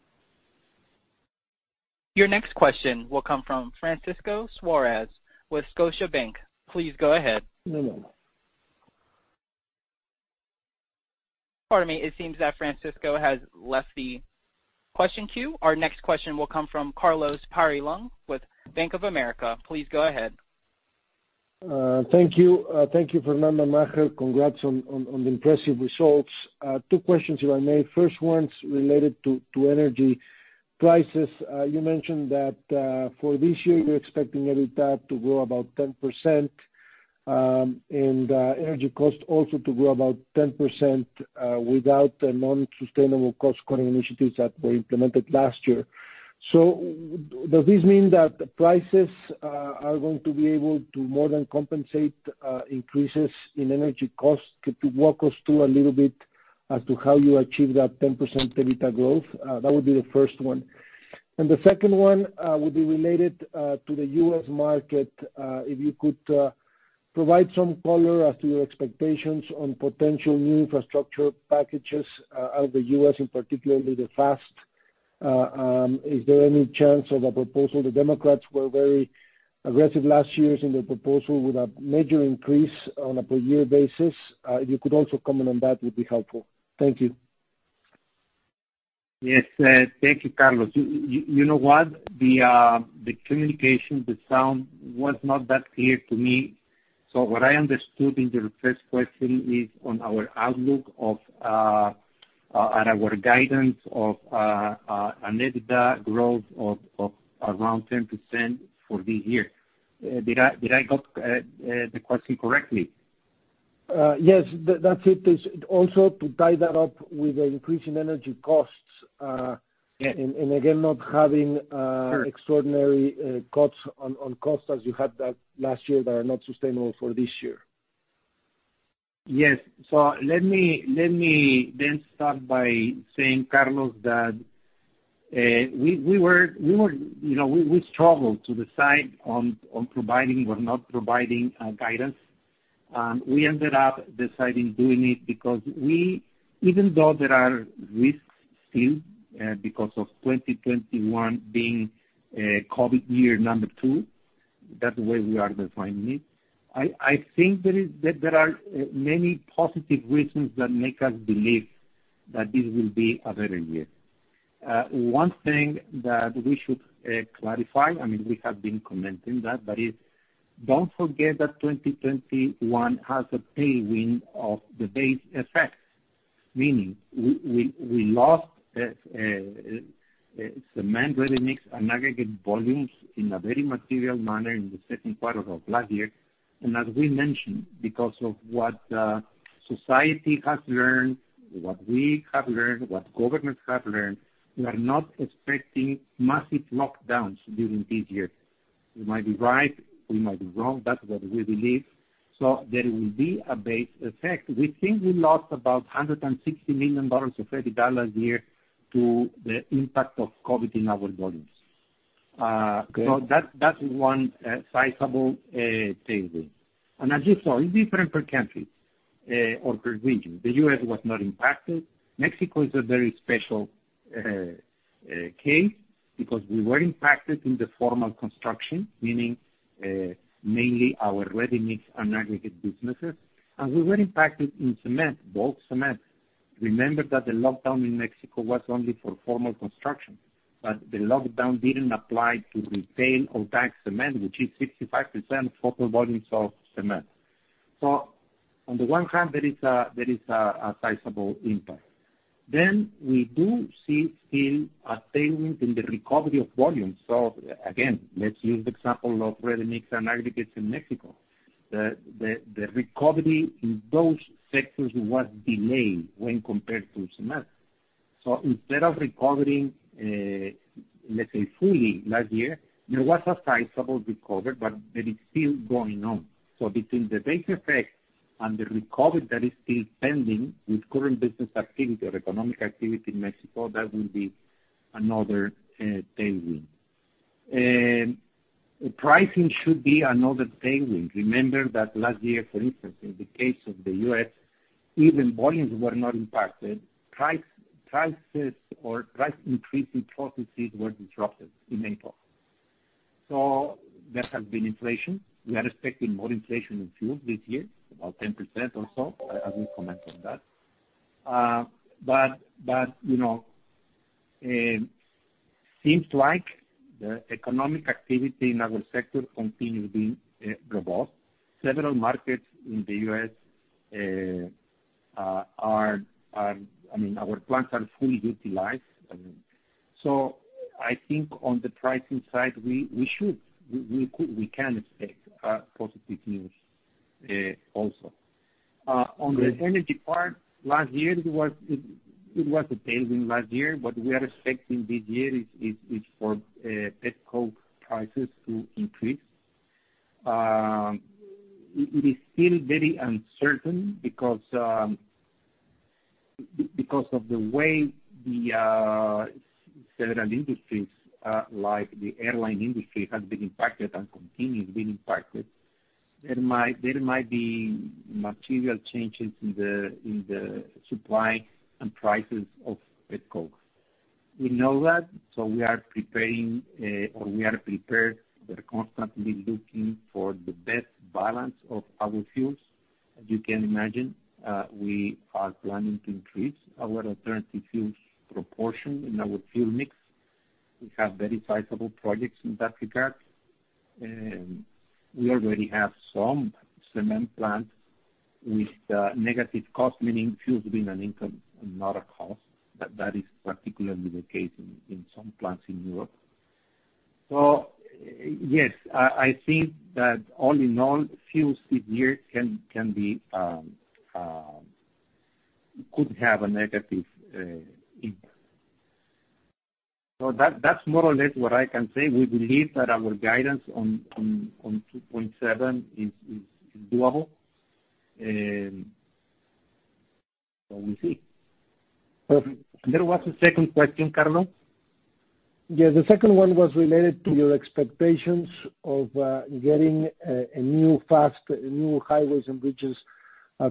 Your next question will come from Francisco Suarez with Scotiabank. Please go ahead. No. Pardon me. It seems that Francisco has left the question queue. Our next question will come from Carlos Peyrelongue with Bank of America. Please go ahead. Thank you. Thank you, Fernando, Maher. Congrats on the impressive results. Two questions if I may. First one's related to energy prices. You mentioned that for this year, you're expecting EBITDA to grow about 10%, and energy cost also to grow about 10% without the non-sustainable cost-cutting initiatives that were implemented last year. Does this mean that prices are going to be able to more than compensate increases in energy costs? Could you walk us through a little bit as to how you achieve that 10% EBITDA growth? That would be the first one. The second one would be related to the U.S. market. If you could provide some color as to your expectations on potential new infrastructure packages out of the U.S., in particular the FAST. Is there any chance of a proposal? The Democrats were very aggressive last year in their proposal with a major increase on a per year basis. If you could also comment on that, it would be helpful. Thank you. Yes. Thank you, Carlos. You know what? The communication, the sound was not that clear to me. What I understood in your first question is on our outlook of our guidance of an EBITDA growth of around 10% for this year. Did I get the question correctly? Yes. That's it. To tie that up with the increase in energy costs- Yes And again, not having- Sure Extraordinary cuts on costs as you had that last year that are not sustainable for this year. Yes. Let me then start by saying, Carlos Peyrelongue, that we struggled to decide on providing or not providing guidance. We ended up deciding doing it because even though there are risks still, because of 2021 being COVID year two, that's the way we are defining it, I think there are many positive reasons that make us believe that this will be a better year. One thing that we should clarify, we have been commenting that, but don't forget that 2021 has a tailwind of the base effect, meaning we lost cement, ready-mix and aggregate volumes in a very material manner in the second quarter of last year. As we mentioned, because of what society has learned, what we have learned, what governments have learned, we are not expecting massive lockdowns during this year. We might be right, we might be wrong. That's what we believe. There will be a base effect. We think we lost about $160 million of EBITDA last year to the impact of COVID in our volumes. Okay. That is one sizable tailwind. As you saw, it's different per country or per region. The U.S. was not impacted. Mexico is a very special case because we were impacted in the formal construction, meaning mainly our ready-mix and aggregate businesses, and we were impacted in cement, bulk cement. Remember that the lockdown in Mexico was only for formal construction, but the lockdown didn't apply to retail or bagged cement, which is 65% total volumes of cement. On the one hand, there is a sizable impact. We do see still a tailwind in the recovery of volumes. Again, let's use the example of ready-mix and aggregates in Mexico. The recovery in those sectors was delayed when compared to cement. Instead of recovering, let's say, fully last year, there was a sizable recovery, but that is still going on. Between the base effect and the recovery that is still pending with current business activity or economic activity in Mexico, that will be another tailwind. Pricing should be another tailwind. Remember that last year, for instance, in the case of the U.S., even volumes were not impacted. Price increases or price increasing processes were disrupted in April. There has been inflation. We are expecting more inflation in fuel this year, about 10% or so. I will comment on that. It seems like the economic activity in our sector continues being robust. Several markets in the U.S., our plants are fully utilized. I think on the pricing side, we can expect positive news also. Great. On the energy part, last year, it was a tailwind last year. What we are expecting this year is for petcoke prices to increase. It is still very uncertain because of the way the several industries, like the airline industry, have been impacted and continue being impacted. There might be material changes in the supply and prices of petcoke. We know that, so we are preparing, or we are prepared. We are constantly looking for the best balance of our fuels. As you can imagine, we are planning to increase our alternative fuels proportion in our fuel mix. We have very sizable projects in that regard. We already have some cement plants with negative cost, meaning fuel has been an income and not a cost. That is particularly the case in some plants in Europe. Yes, I think that all in all, fuels this year could have a negative impact. That's more or less what I can say. We believe that our guidance on 2.7 is doable. We'll see. There was a second question, Carlos? Yeah, the second one was related to your expectations of getting a new FAST Act, new highways and bridges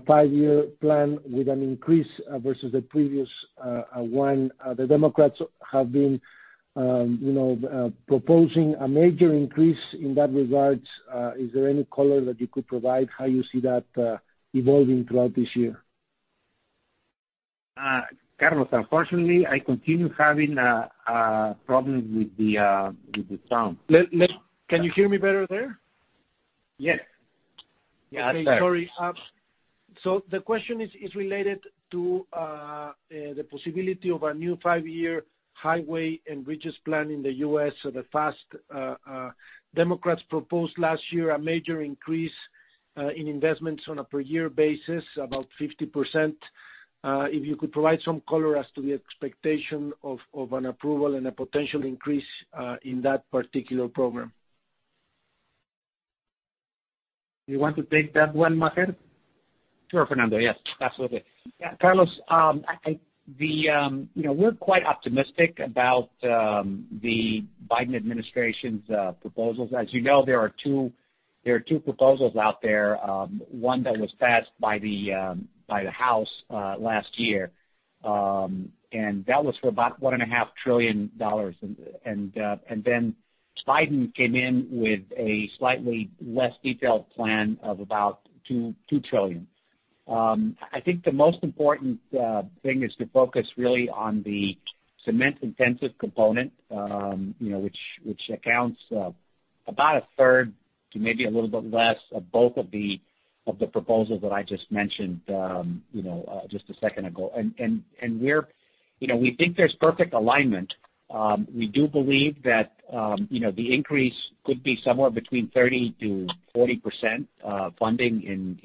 five-year plan with an increase versus the previous one. The Democrats have been proposing a major increase in that regard. Is there any color that you could provide how you see that evolving throughout this year? Carlos, unfortunately, I continue having problems with the sound. Can you hear me better there? Yes. Sorry. The question is related to the possibility of a new five-year highway and bridges plan in the U.S. or the FAST. Democrats proposed last year a major increase in investments on a per year basis, about 50%. If you could provide some color as to the expectation of an approval and a potential increase in that particular program. You want to take that one, Maher? Sure, Fernando. Yes, absolutely. Carlos, we're quite optimistic about the Biden administration's proposals. As you know, there are two proposals out there. One that was passed by the House last year, and that was for about $1.5 trillion. Then Biden came in with a slightly less detailed plan of about $2 trillion. I think the most important thing is to focus really on the cement-intensive component which accounts about a third to maybe a little bit less of both of the proposals that I just mentioned just a second ago. We think there's perfect alignment. We do believe that the increase could be somewhere between 30%-40% funding,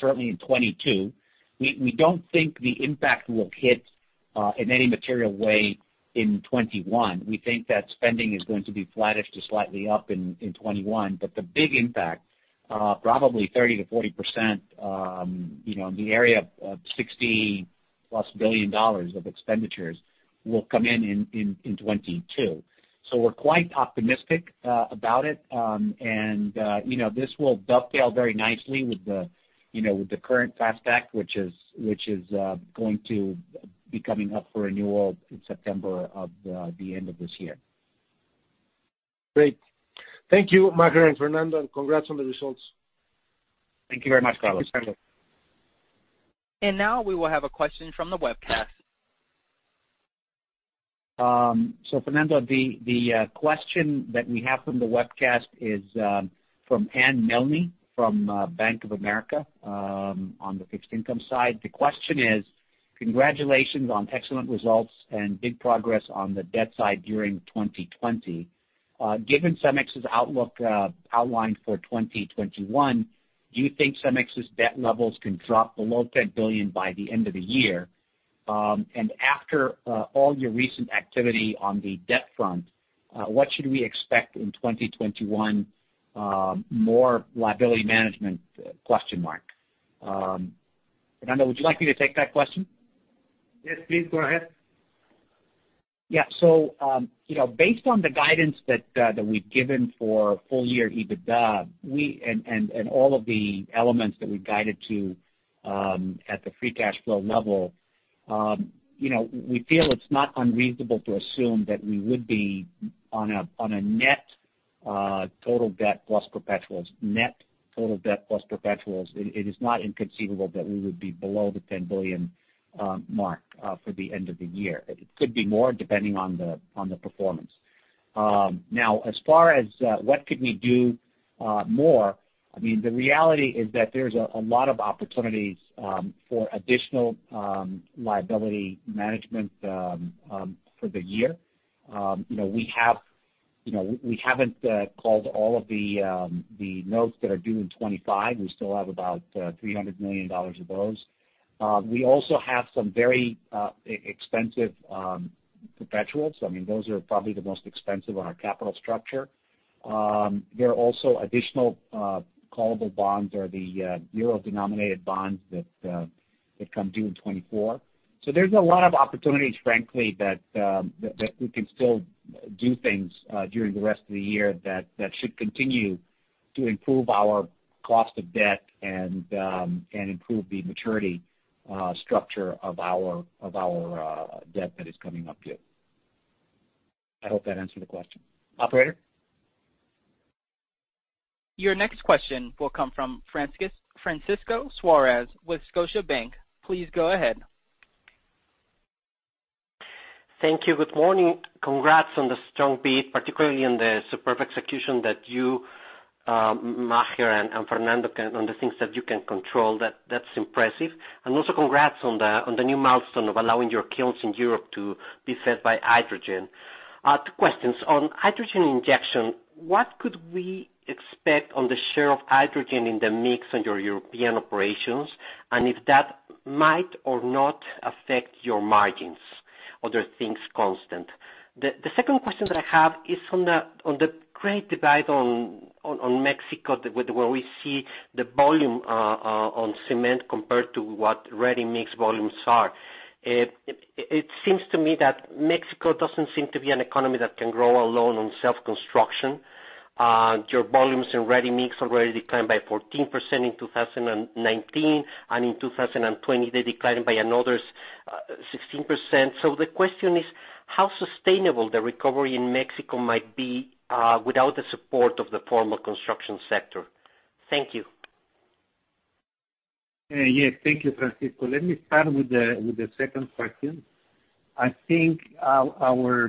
certainly in 2022. We don't think the impact will hit in any material way in 2021. We think that spending is going to be flattish to slightly up in 2021. The big impact, probably 30%-40%, in the area of $60+ billion of expenditures, will come in in 2022. We're quite optimistic about it. This will dovetail very nicely with the current FAST Act, which is going to be coming up for renewal in September of the end of this year. Great. Thank you, Maher and Fernando, and congrats on the results. Thank you very much, Carlos. Thank you, Carlos. Now we will have a question from the webcast. Fernando, the question that we have from the webcast is from Anne Milne from Bank of America, on the fixed income side. The question is, "Congratulations on excellent results and big progress on the debt side during 2020. Given CEMEX 's outlook outlined for 2021, do you think CEMEX 's debt levels can drop below $10 billion by the end of the year? And after all your recent activity on the debt front, what should we expect in 2021? More liability management?" Fernando, would you like me to take that question? Yes, please. Go ahead. Yeah. Based on the guidance that we've given for full year EBITDA and all of the elements that we've guided to at the free cash flow level, we feel it's not unreasonable to assume that we would be on a net total debt plus perpetuals. Net total debt plus perpetuals. It is not inconceivable that we would be below the $10 billion mark for the end of the year. It could be more, depending on the performance. As far as what could we do more, the reality is that there's a lot of opportunities for additional liability management for the year. We haven't called all of the notes that are due in 2025. We still have about $300 million of those. We also have some very expensive perpetuals. Those are probably the most expensive on our capital structure. There are also additional callable bonds or the euro-denominated bonds that come due in 2024. There's a lot of opportunities, frankly, that we can still do things during the rest of the year that should continue to improve our cost of debt and improve the maturity structure of our debt that is coming up due. I hope that answered the question. Operator? Your next question will come from Francisco Suarez with Scotiabank. Please go ahead. Thank you. Good morning. Congrats on the strong beat, particularly on the superb execution that you, Maher and Fernando, on the things that you can control. That's impressive. Also congrats on the new milestone of allowing your kilns in Europe to be fed by hydrogen. Two questions. On hydrogen injection, what could we expect on the share of hydrogen in the mix on your European operations, and if that might or not affect your margins, other things constant? The second question that I have is on the great divide on Mexico, where we see the volume on cement compared to what ready-mix volumes are. It seems to me that Mexico doesn't seem to be an economy that can grow alone on self-construction. Your volumes in ready-mix already declined by 14% in 2019. In 2020, they declined by another 16%. The question is how sustainable the recovery in Mexico might be without the support of the formal construction sector? Thank you. Yes. Thank you, Francisco. Let me start with the second question. I think our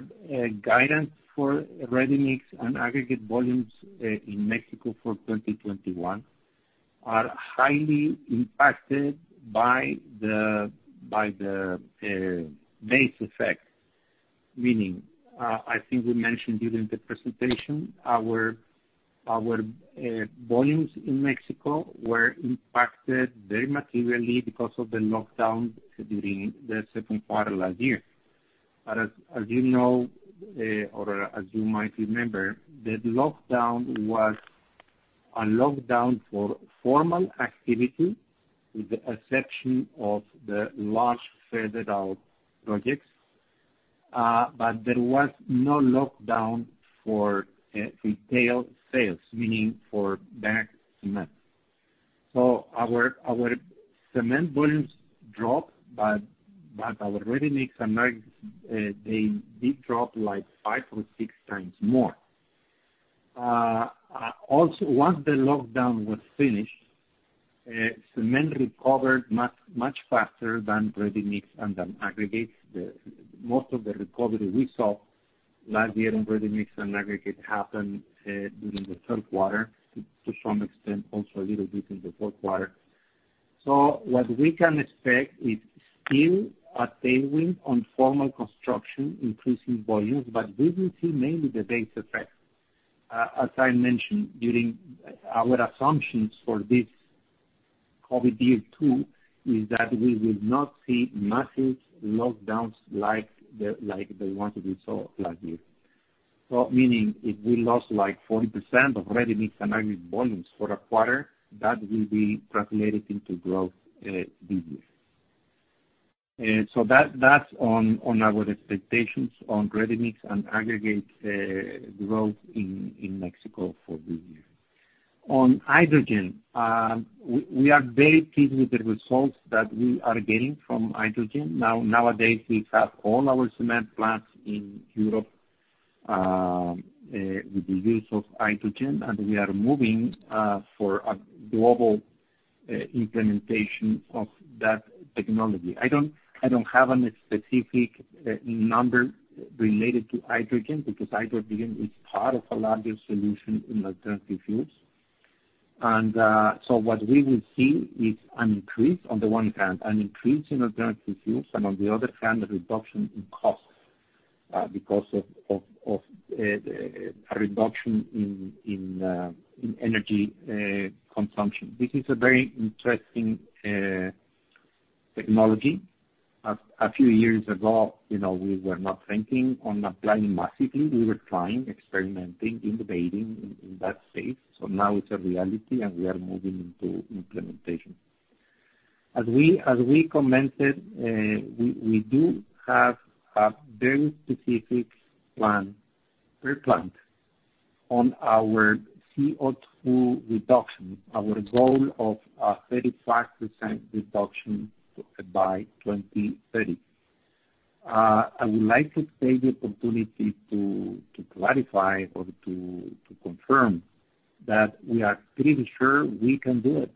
guidance for ready-mix and aggregate volumes in Mexico for 2021 are highly impacted by the base effect, meaning, I think we mentioned during the presentation, our volumes in Mexico were impacted very materially because of the lockdown during the second quarter last year. As you know, or as you might remember, the lockdown was a lockdown for formal activity, with the exception of the large federal projects. There was no lockdown for retail sales, meaning for bagged cement. Our cement volumes dropped, our ready-mix and aggregates, they did drop 5x or 6x more. Once the lockdown was finished, cement recovered much faster than ready-mix and than aggregates. Most of the recovery we saw last year in ready-mix and aggregates happened during the third quarter, to some extent, also a little bit in the fourth quarter. What we can expect is still a tailwind on formal construction, increasing volumes, but we will see mainly the base effect. As I mentioned during our assumptions for this COVID year, two, is that we will not see massive lockdowns like the one that we saw last year. Meaning, if we lost like 40% of ready-mix and aggregate volumes for a quarter, that will be translated into growth this year. That's on our expectations on ready-mix and aggregate growth in Mexico for this year. On hydrogen, we are very pleased with the results that we are getting from hydrogen. Nowadays, we have all our cement plants in Europe with the use of hydrogen, and we are moving for a global implementation of that technology. I don't have any specific number related to hydrogen, because hydrogen is part of a larger solution in alternative fuels. What we will see is, on the one hand, an increase in alternative fuels, and on the other hand, a reduction in costs because of a reduction in energy consumption. This is a very interesting technology. A few years ago, we were not thinking on applying massively. We were trying, experimenting, innovating in that space. Now it's a reality, and we are moving into implementation. As we commented, we do have a very specific plan per plant on our CO2 reduction, our goal of a 35% reduction by 2030. I would like to take the opportunity to clarify or to confirm that we are pretty sure we can do it.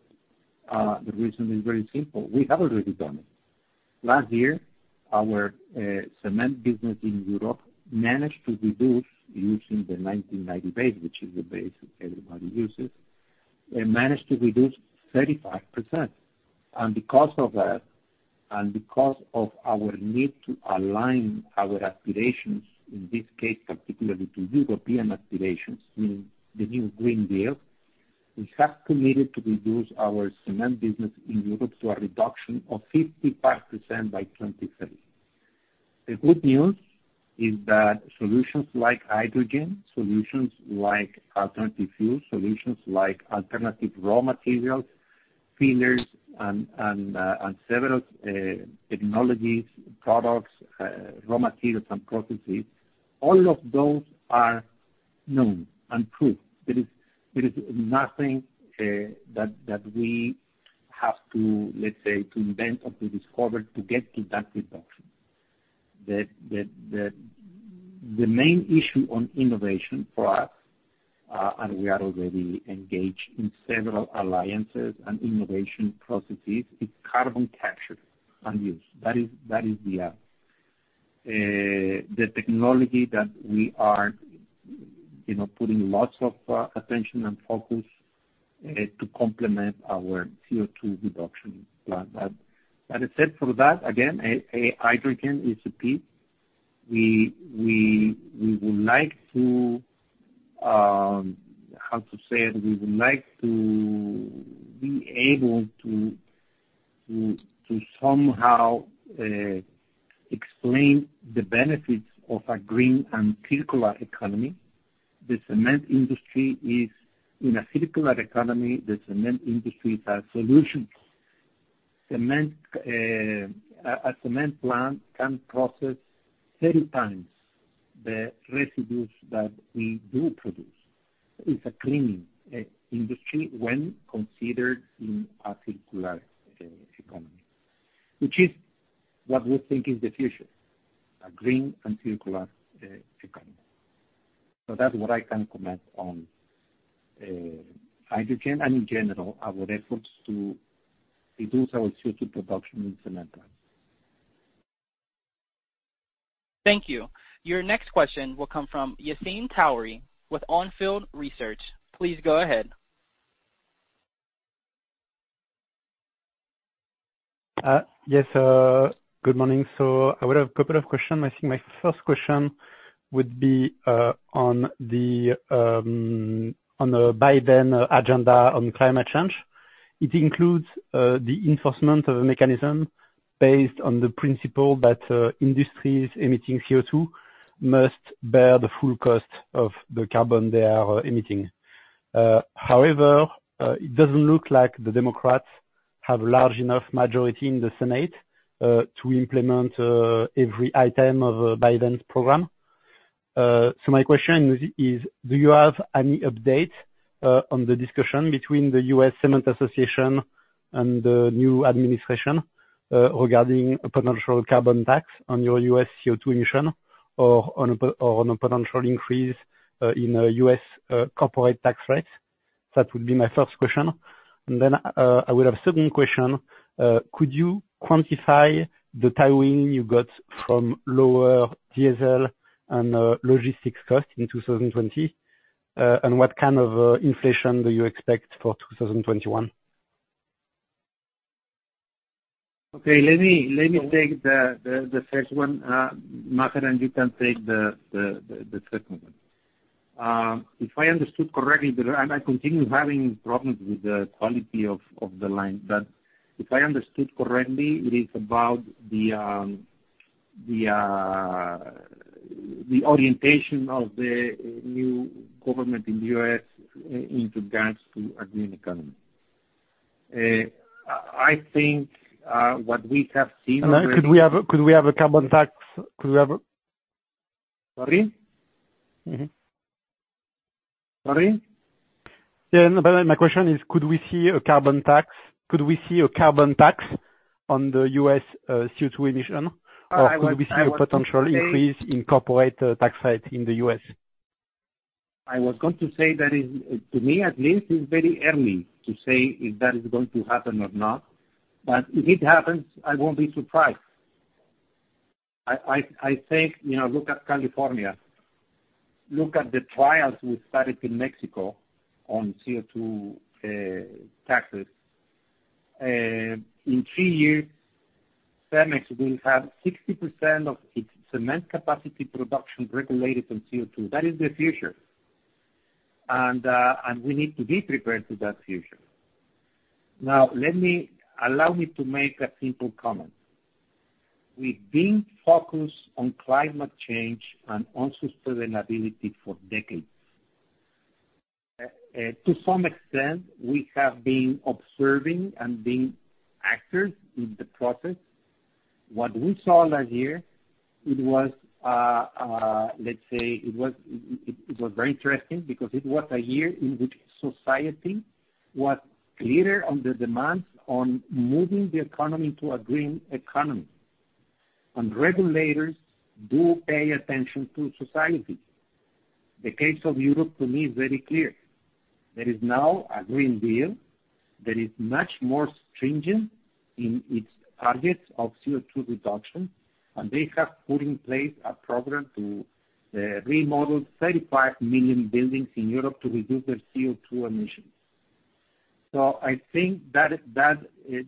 The reason is very simple. We have already done it. Last year, our cement business in Europe managed to reduce, using the 1990 base, which is the base everybody uses, managed to reduce 35%. Because of that, and because of our need to align our aspirations, in this case, particularly to European aspirations, meaning the European Green Deal, we have committed to reduce our cement business in Europe to a reduction of 55% by 2030. The good news is that solutions like hydrogen, solutions like alternative fuels, solutions like alternative raw materials, fillers, and several technologies, products, raw materials, and processes, all of those are known and proved. There is nothing that we have to, let's say, to invent or to discover to get to that reduction. The main issue on innovation for us, we are already engaged in several alliances and innovation processes, is carbon capture and use. That is the technology that we are putting lots of attention and focus to complement our CO2 reduction plan. That is it for that. Again, hydrogen is the key. We would like to, how to say it? We would like to be able to somehow explain the benefits of a green and circular economy. In a circular economy, the cement industry has solutions. A cement plant can process 30 times the residues that we do produce. It's a clean industry when considered in a circular economy. Which is what we think is the future, a green and circular economy. That's what I can comment on hydrogen and in general, our efforts to reduce our CO2 production in cement. Thank you. Your next question will come from Yassine Touahri with On Field Investment Research. Please go ahead. Yes, good morning. I would have a couple of questions. I think my first question would be on the Biden agenda on climate change. It includes the enforcement of a mechanism based on the principle that industries emitting CO2 must bear the full cost of the carbon they are emitting. It doesn't look like the Democrats have large enough majority in the Senate to implement every item of Biden's program. My question is, do you have any update on the discussion between the American Cement Association and the new administration regarding a potential carbon tax on your U.S. CO2 emission or on a potential increase in U.S. corporate tax rates? That would be my first question. I would have second question. Could you quantify the tailwind you got from lower diesel and logistics costs in 2020? What kind of inflation do you expect for 2021? Okay, let me take the first one, Maher, and you can take the second one. If I understood correctly, and I continue having problems with the quality of the line, but if I understood correctly, it is about the orientation of the new government in the U.S. in regards to a green economy. I think what we have seen already. Could we have a carbon tax? Sorry? Sorry? Yeah, my question is, could we see a carbon tax? Could we see a carbon tax on the U.S. CO2 emission? I was going to say- Could we see a potential increase in corporate tax rates in the U.S.? I was going to say that is, to me at least, it's very early to say if that is going to happen or not. If it happens, I won't be surprised. I think, look at California. Look at the trials we started in Mexico on CO2 taxes. In three years, CEMEX will have 60% of its cement capacity production regulated on CO2. That is the future, and we need to be prepared for that future. Now, allow me to make a simple comment. We've been focused on climate change and on sustainability for decades. To some extent, we have been observing and been actors in the process. What we saw last year, let's say it was very interesting because it was a year in which society was clear on the demands on moving the economy to a green economy. Regulators do pay attention to society. The case of Europe to me is very clear. There is now a Green Deal that is much more stringent in its targets of CO2 reduction, and they have put in place a program to remodel 35 million buildings in Europe to reduce their CO2 emissions. I think that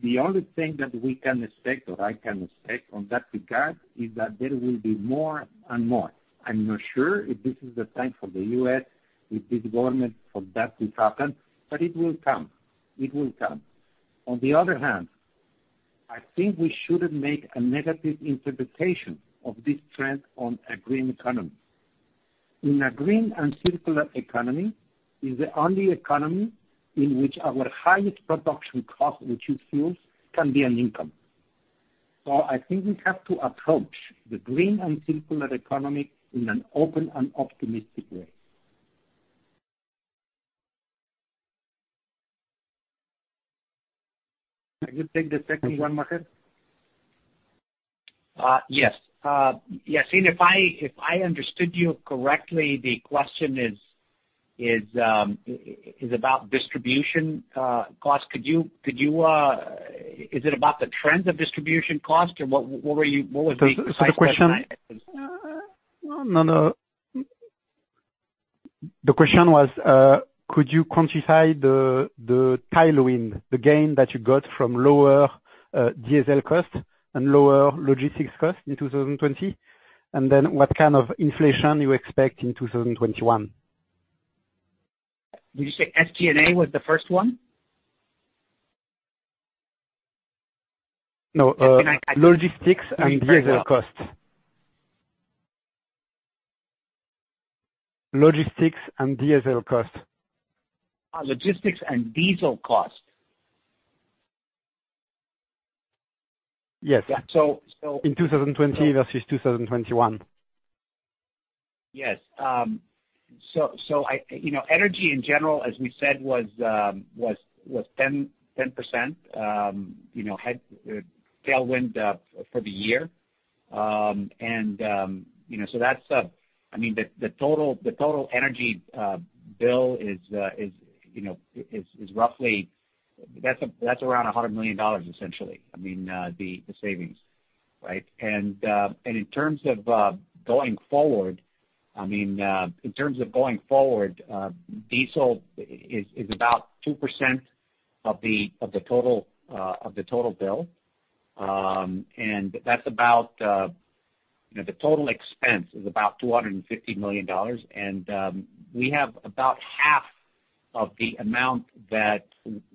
the only thing that we can expect, or I can expect on that regard is that there will be more and more. I'm not sure if this is the time for the U.S., with this government, for that to happen. It will come. On the other hand, I think we shouldn't make a negative interpretation of this trend on a green economy. In a green and circular economy is the only economy in which our highest production cost in cheap fuels can be an income. I think we have to approach the green and circular economy in an open and optimistic way. Can you take the second one, Maher? Yes. Yassine, if I understood you correctly, the question is about distribution cost. Is it about the trends of distribution cost, or what was the question? No. The question was, could you quantify the tailwind, the gain that you got from lower diesel cost and lower logistics cost in 2020? What kind of inflation you expect in 2021? Did you say SG&A was the first one? No. I think I- Logistics and diesel cost. Logistics and diesel cost. Yes. Yeah. So- In 2020 versus 2021. Yes. Energy in general, as we said, was 10% tailwind for the year. The total energy bill, that's around $100 million, essentially, the savings, right? In terms of going forward, diesel is about 2% of the total bill. The total expense is about $250 million, and we have about half of the amount that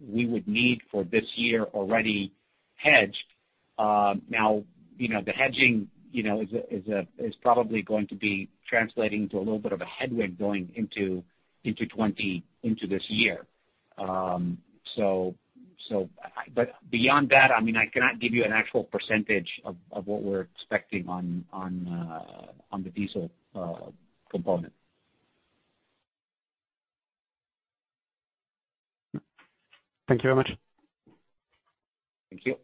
we would need for this year already hedged. The hedging is probably going to be translating to a little bit of a headwind going into this year. Beyond that, I cannot give you an actual percentage of what we're expecting on the diesel component. Thank you very much. Thank you.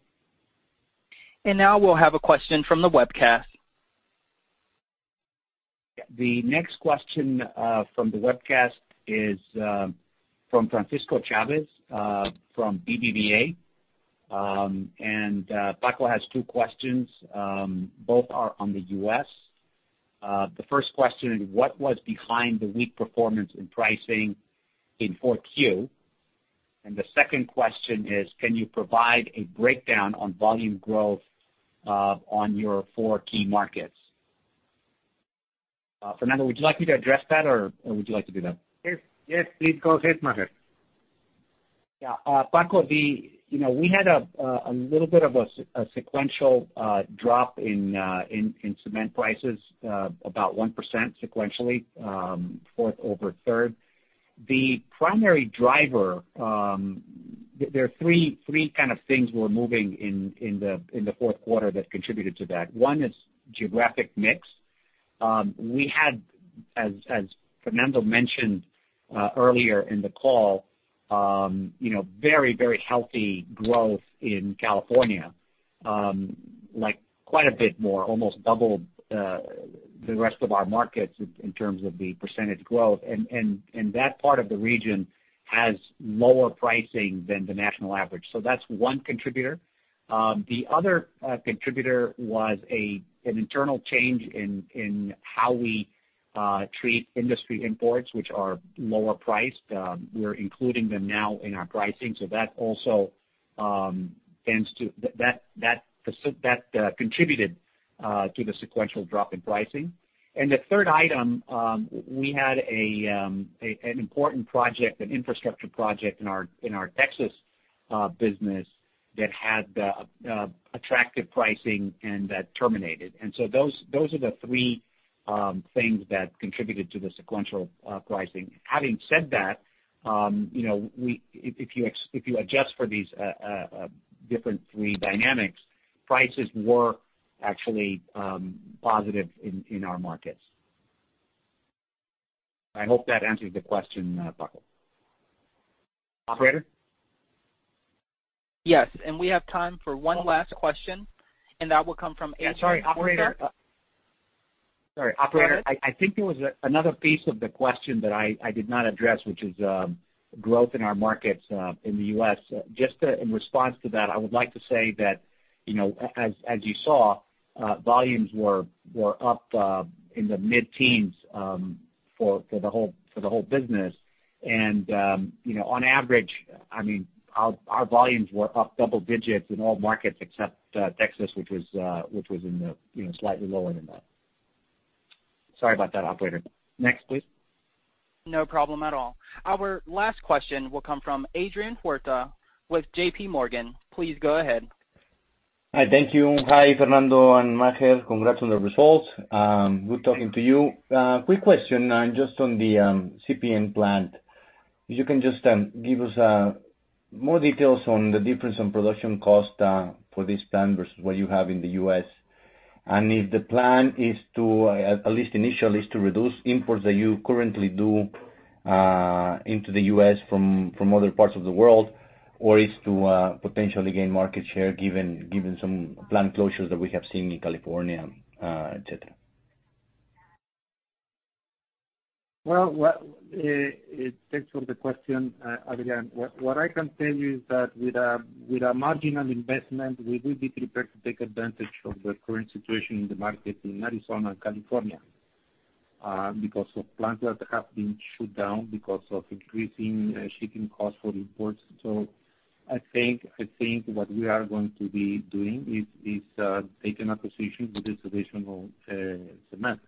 Now we'll have a question from the webcast. The next question from the webcast is from Francisco Chavez from BBVA. Franco has two questions, both are on the U.S. The first question is, what was behind the weak performance in pricing in Q4? The second question is, can you provide a breakdown on volume growth on your four key markets? Fernando, would you like me to address that, or would you like to do that? Yes, please go ahead, Maher. Yeah. Franco, we had a little bit of a sequential drop in cement prices, about 1% sequentially, fourth over third. The primary driver, there are three kind of things were moving in the fourth quarter that contributed to that. One is geographic mix. We had, as Fernando mentioned earlier in the call, very healthy growth in California, like quite a bit more, almost double the rest of our markets in terms of the percentage growth. That part of the region has lower pricing than the national average. That's one contributor. The other contributor was an internal change in how we treat industry imports, which are lower priced. We're including them now in our pricing. That contributed to the sequential drop in pricing. The third item, we had an important project, an infrastructure project in our Texas business that had attractive pricing and that terminated. Those are the three things that contributed to the sequential pricing. Having said that, if you adjust for these different three dynamics, prices were actually positive in our markets. I hope that answers the question, Franco. Operator? Yes. We have time for one last question, and that will come from Adrian Huerta. Yeah, sorry, operator. I think there was another piece of the question that I did not address, which is growth in our markets in the U.S. Just in response to that, I would like to say that, as you saw, volumes were up in the mid-teens for the whole business. On average, our volumes were up double digits in all markets except Texas, which was slightly lower than that. Sorry about that, operator. Next, please. No problem at all. Our last question will come from Adrian Huerta with JPMorgan. Please go ahead. Hi. Thank you. Hi, Fernando and Maher. Congrats on the results. Good talking to you. Quick question, just on the CPN plant. If you can just give us more details on the difference in production cost for this plant versus what you have in the U.S. If the plan is to, at least initially, is to reduce imports that you currently do into the U.S. from other parts of the world or is to potentially gain market share given some plant closures that we have seen in California, et cetera. Well, thanks for the question, Adrian. What I can tell you is that with a marginal investment, we will be prepared to take advantage of the current situation in the market in Arizona and California because of plants that have been shut down because of increasing shipping costs for imports. I think what we are going to be doing is taking a position with this additional cement.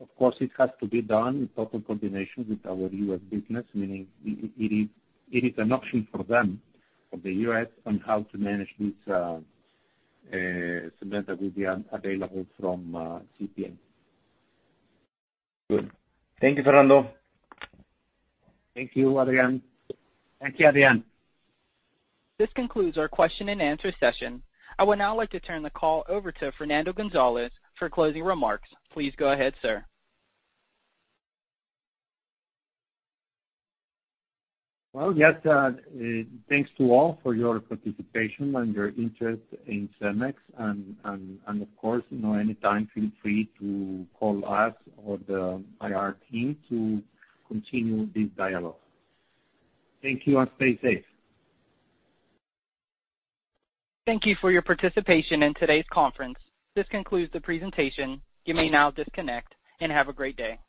Of course, it has to be done in total combination with our U.S. business, meaning it is an option for them, for the U.S., on how to manage this cement that will be available from CPN. Good. Thank you, Fernando. Thank you, Adrian. Thank you, Adrian. This concludes our question and answer session. I would now like to turn the call over to Fernando Gonzalez for closing remarks. Please go ahead, sir. Well, yes. Thanks to all for your participation and your interest in CEMEX. Of course, anytime, feel free to call us or the IR team to continue this dialogue. Thank you, and stay safe. Thank you for your participation in today's conference. This concludes the presentation. You may now disconnect, and have a great day.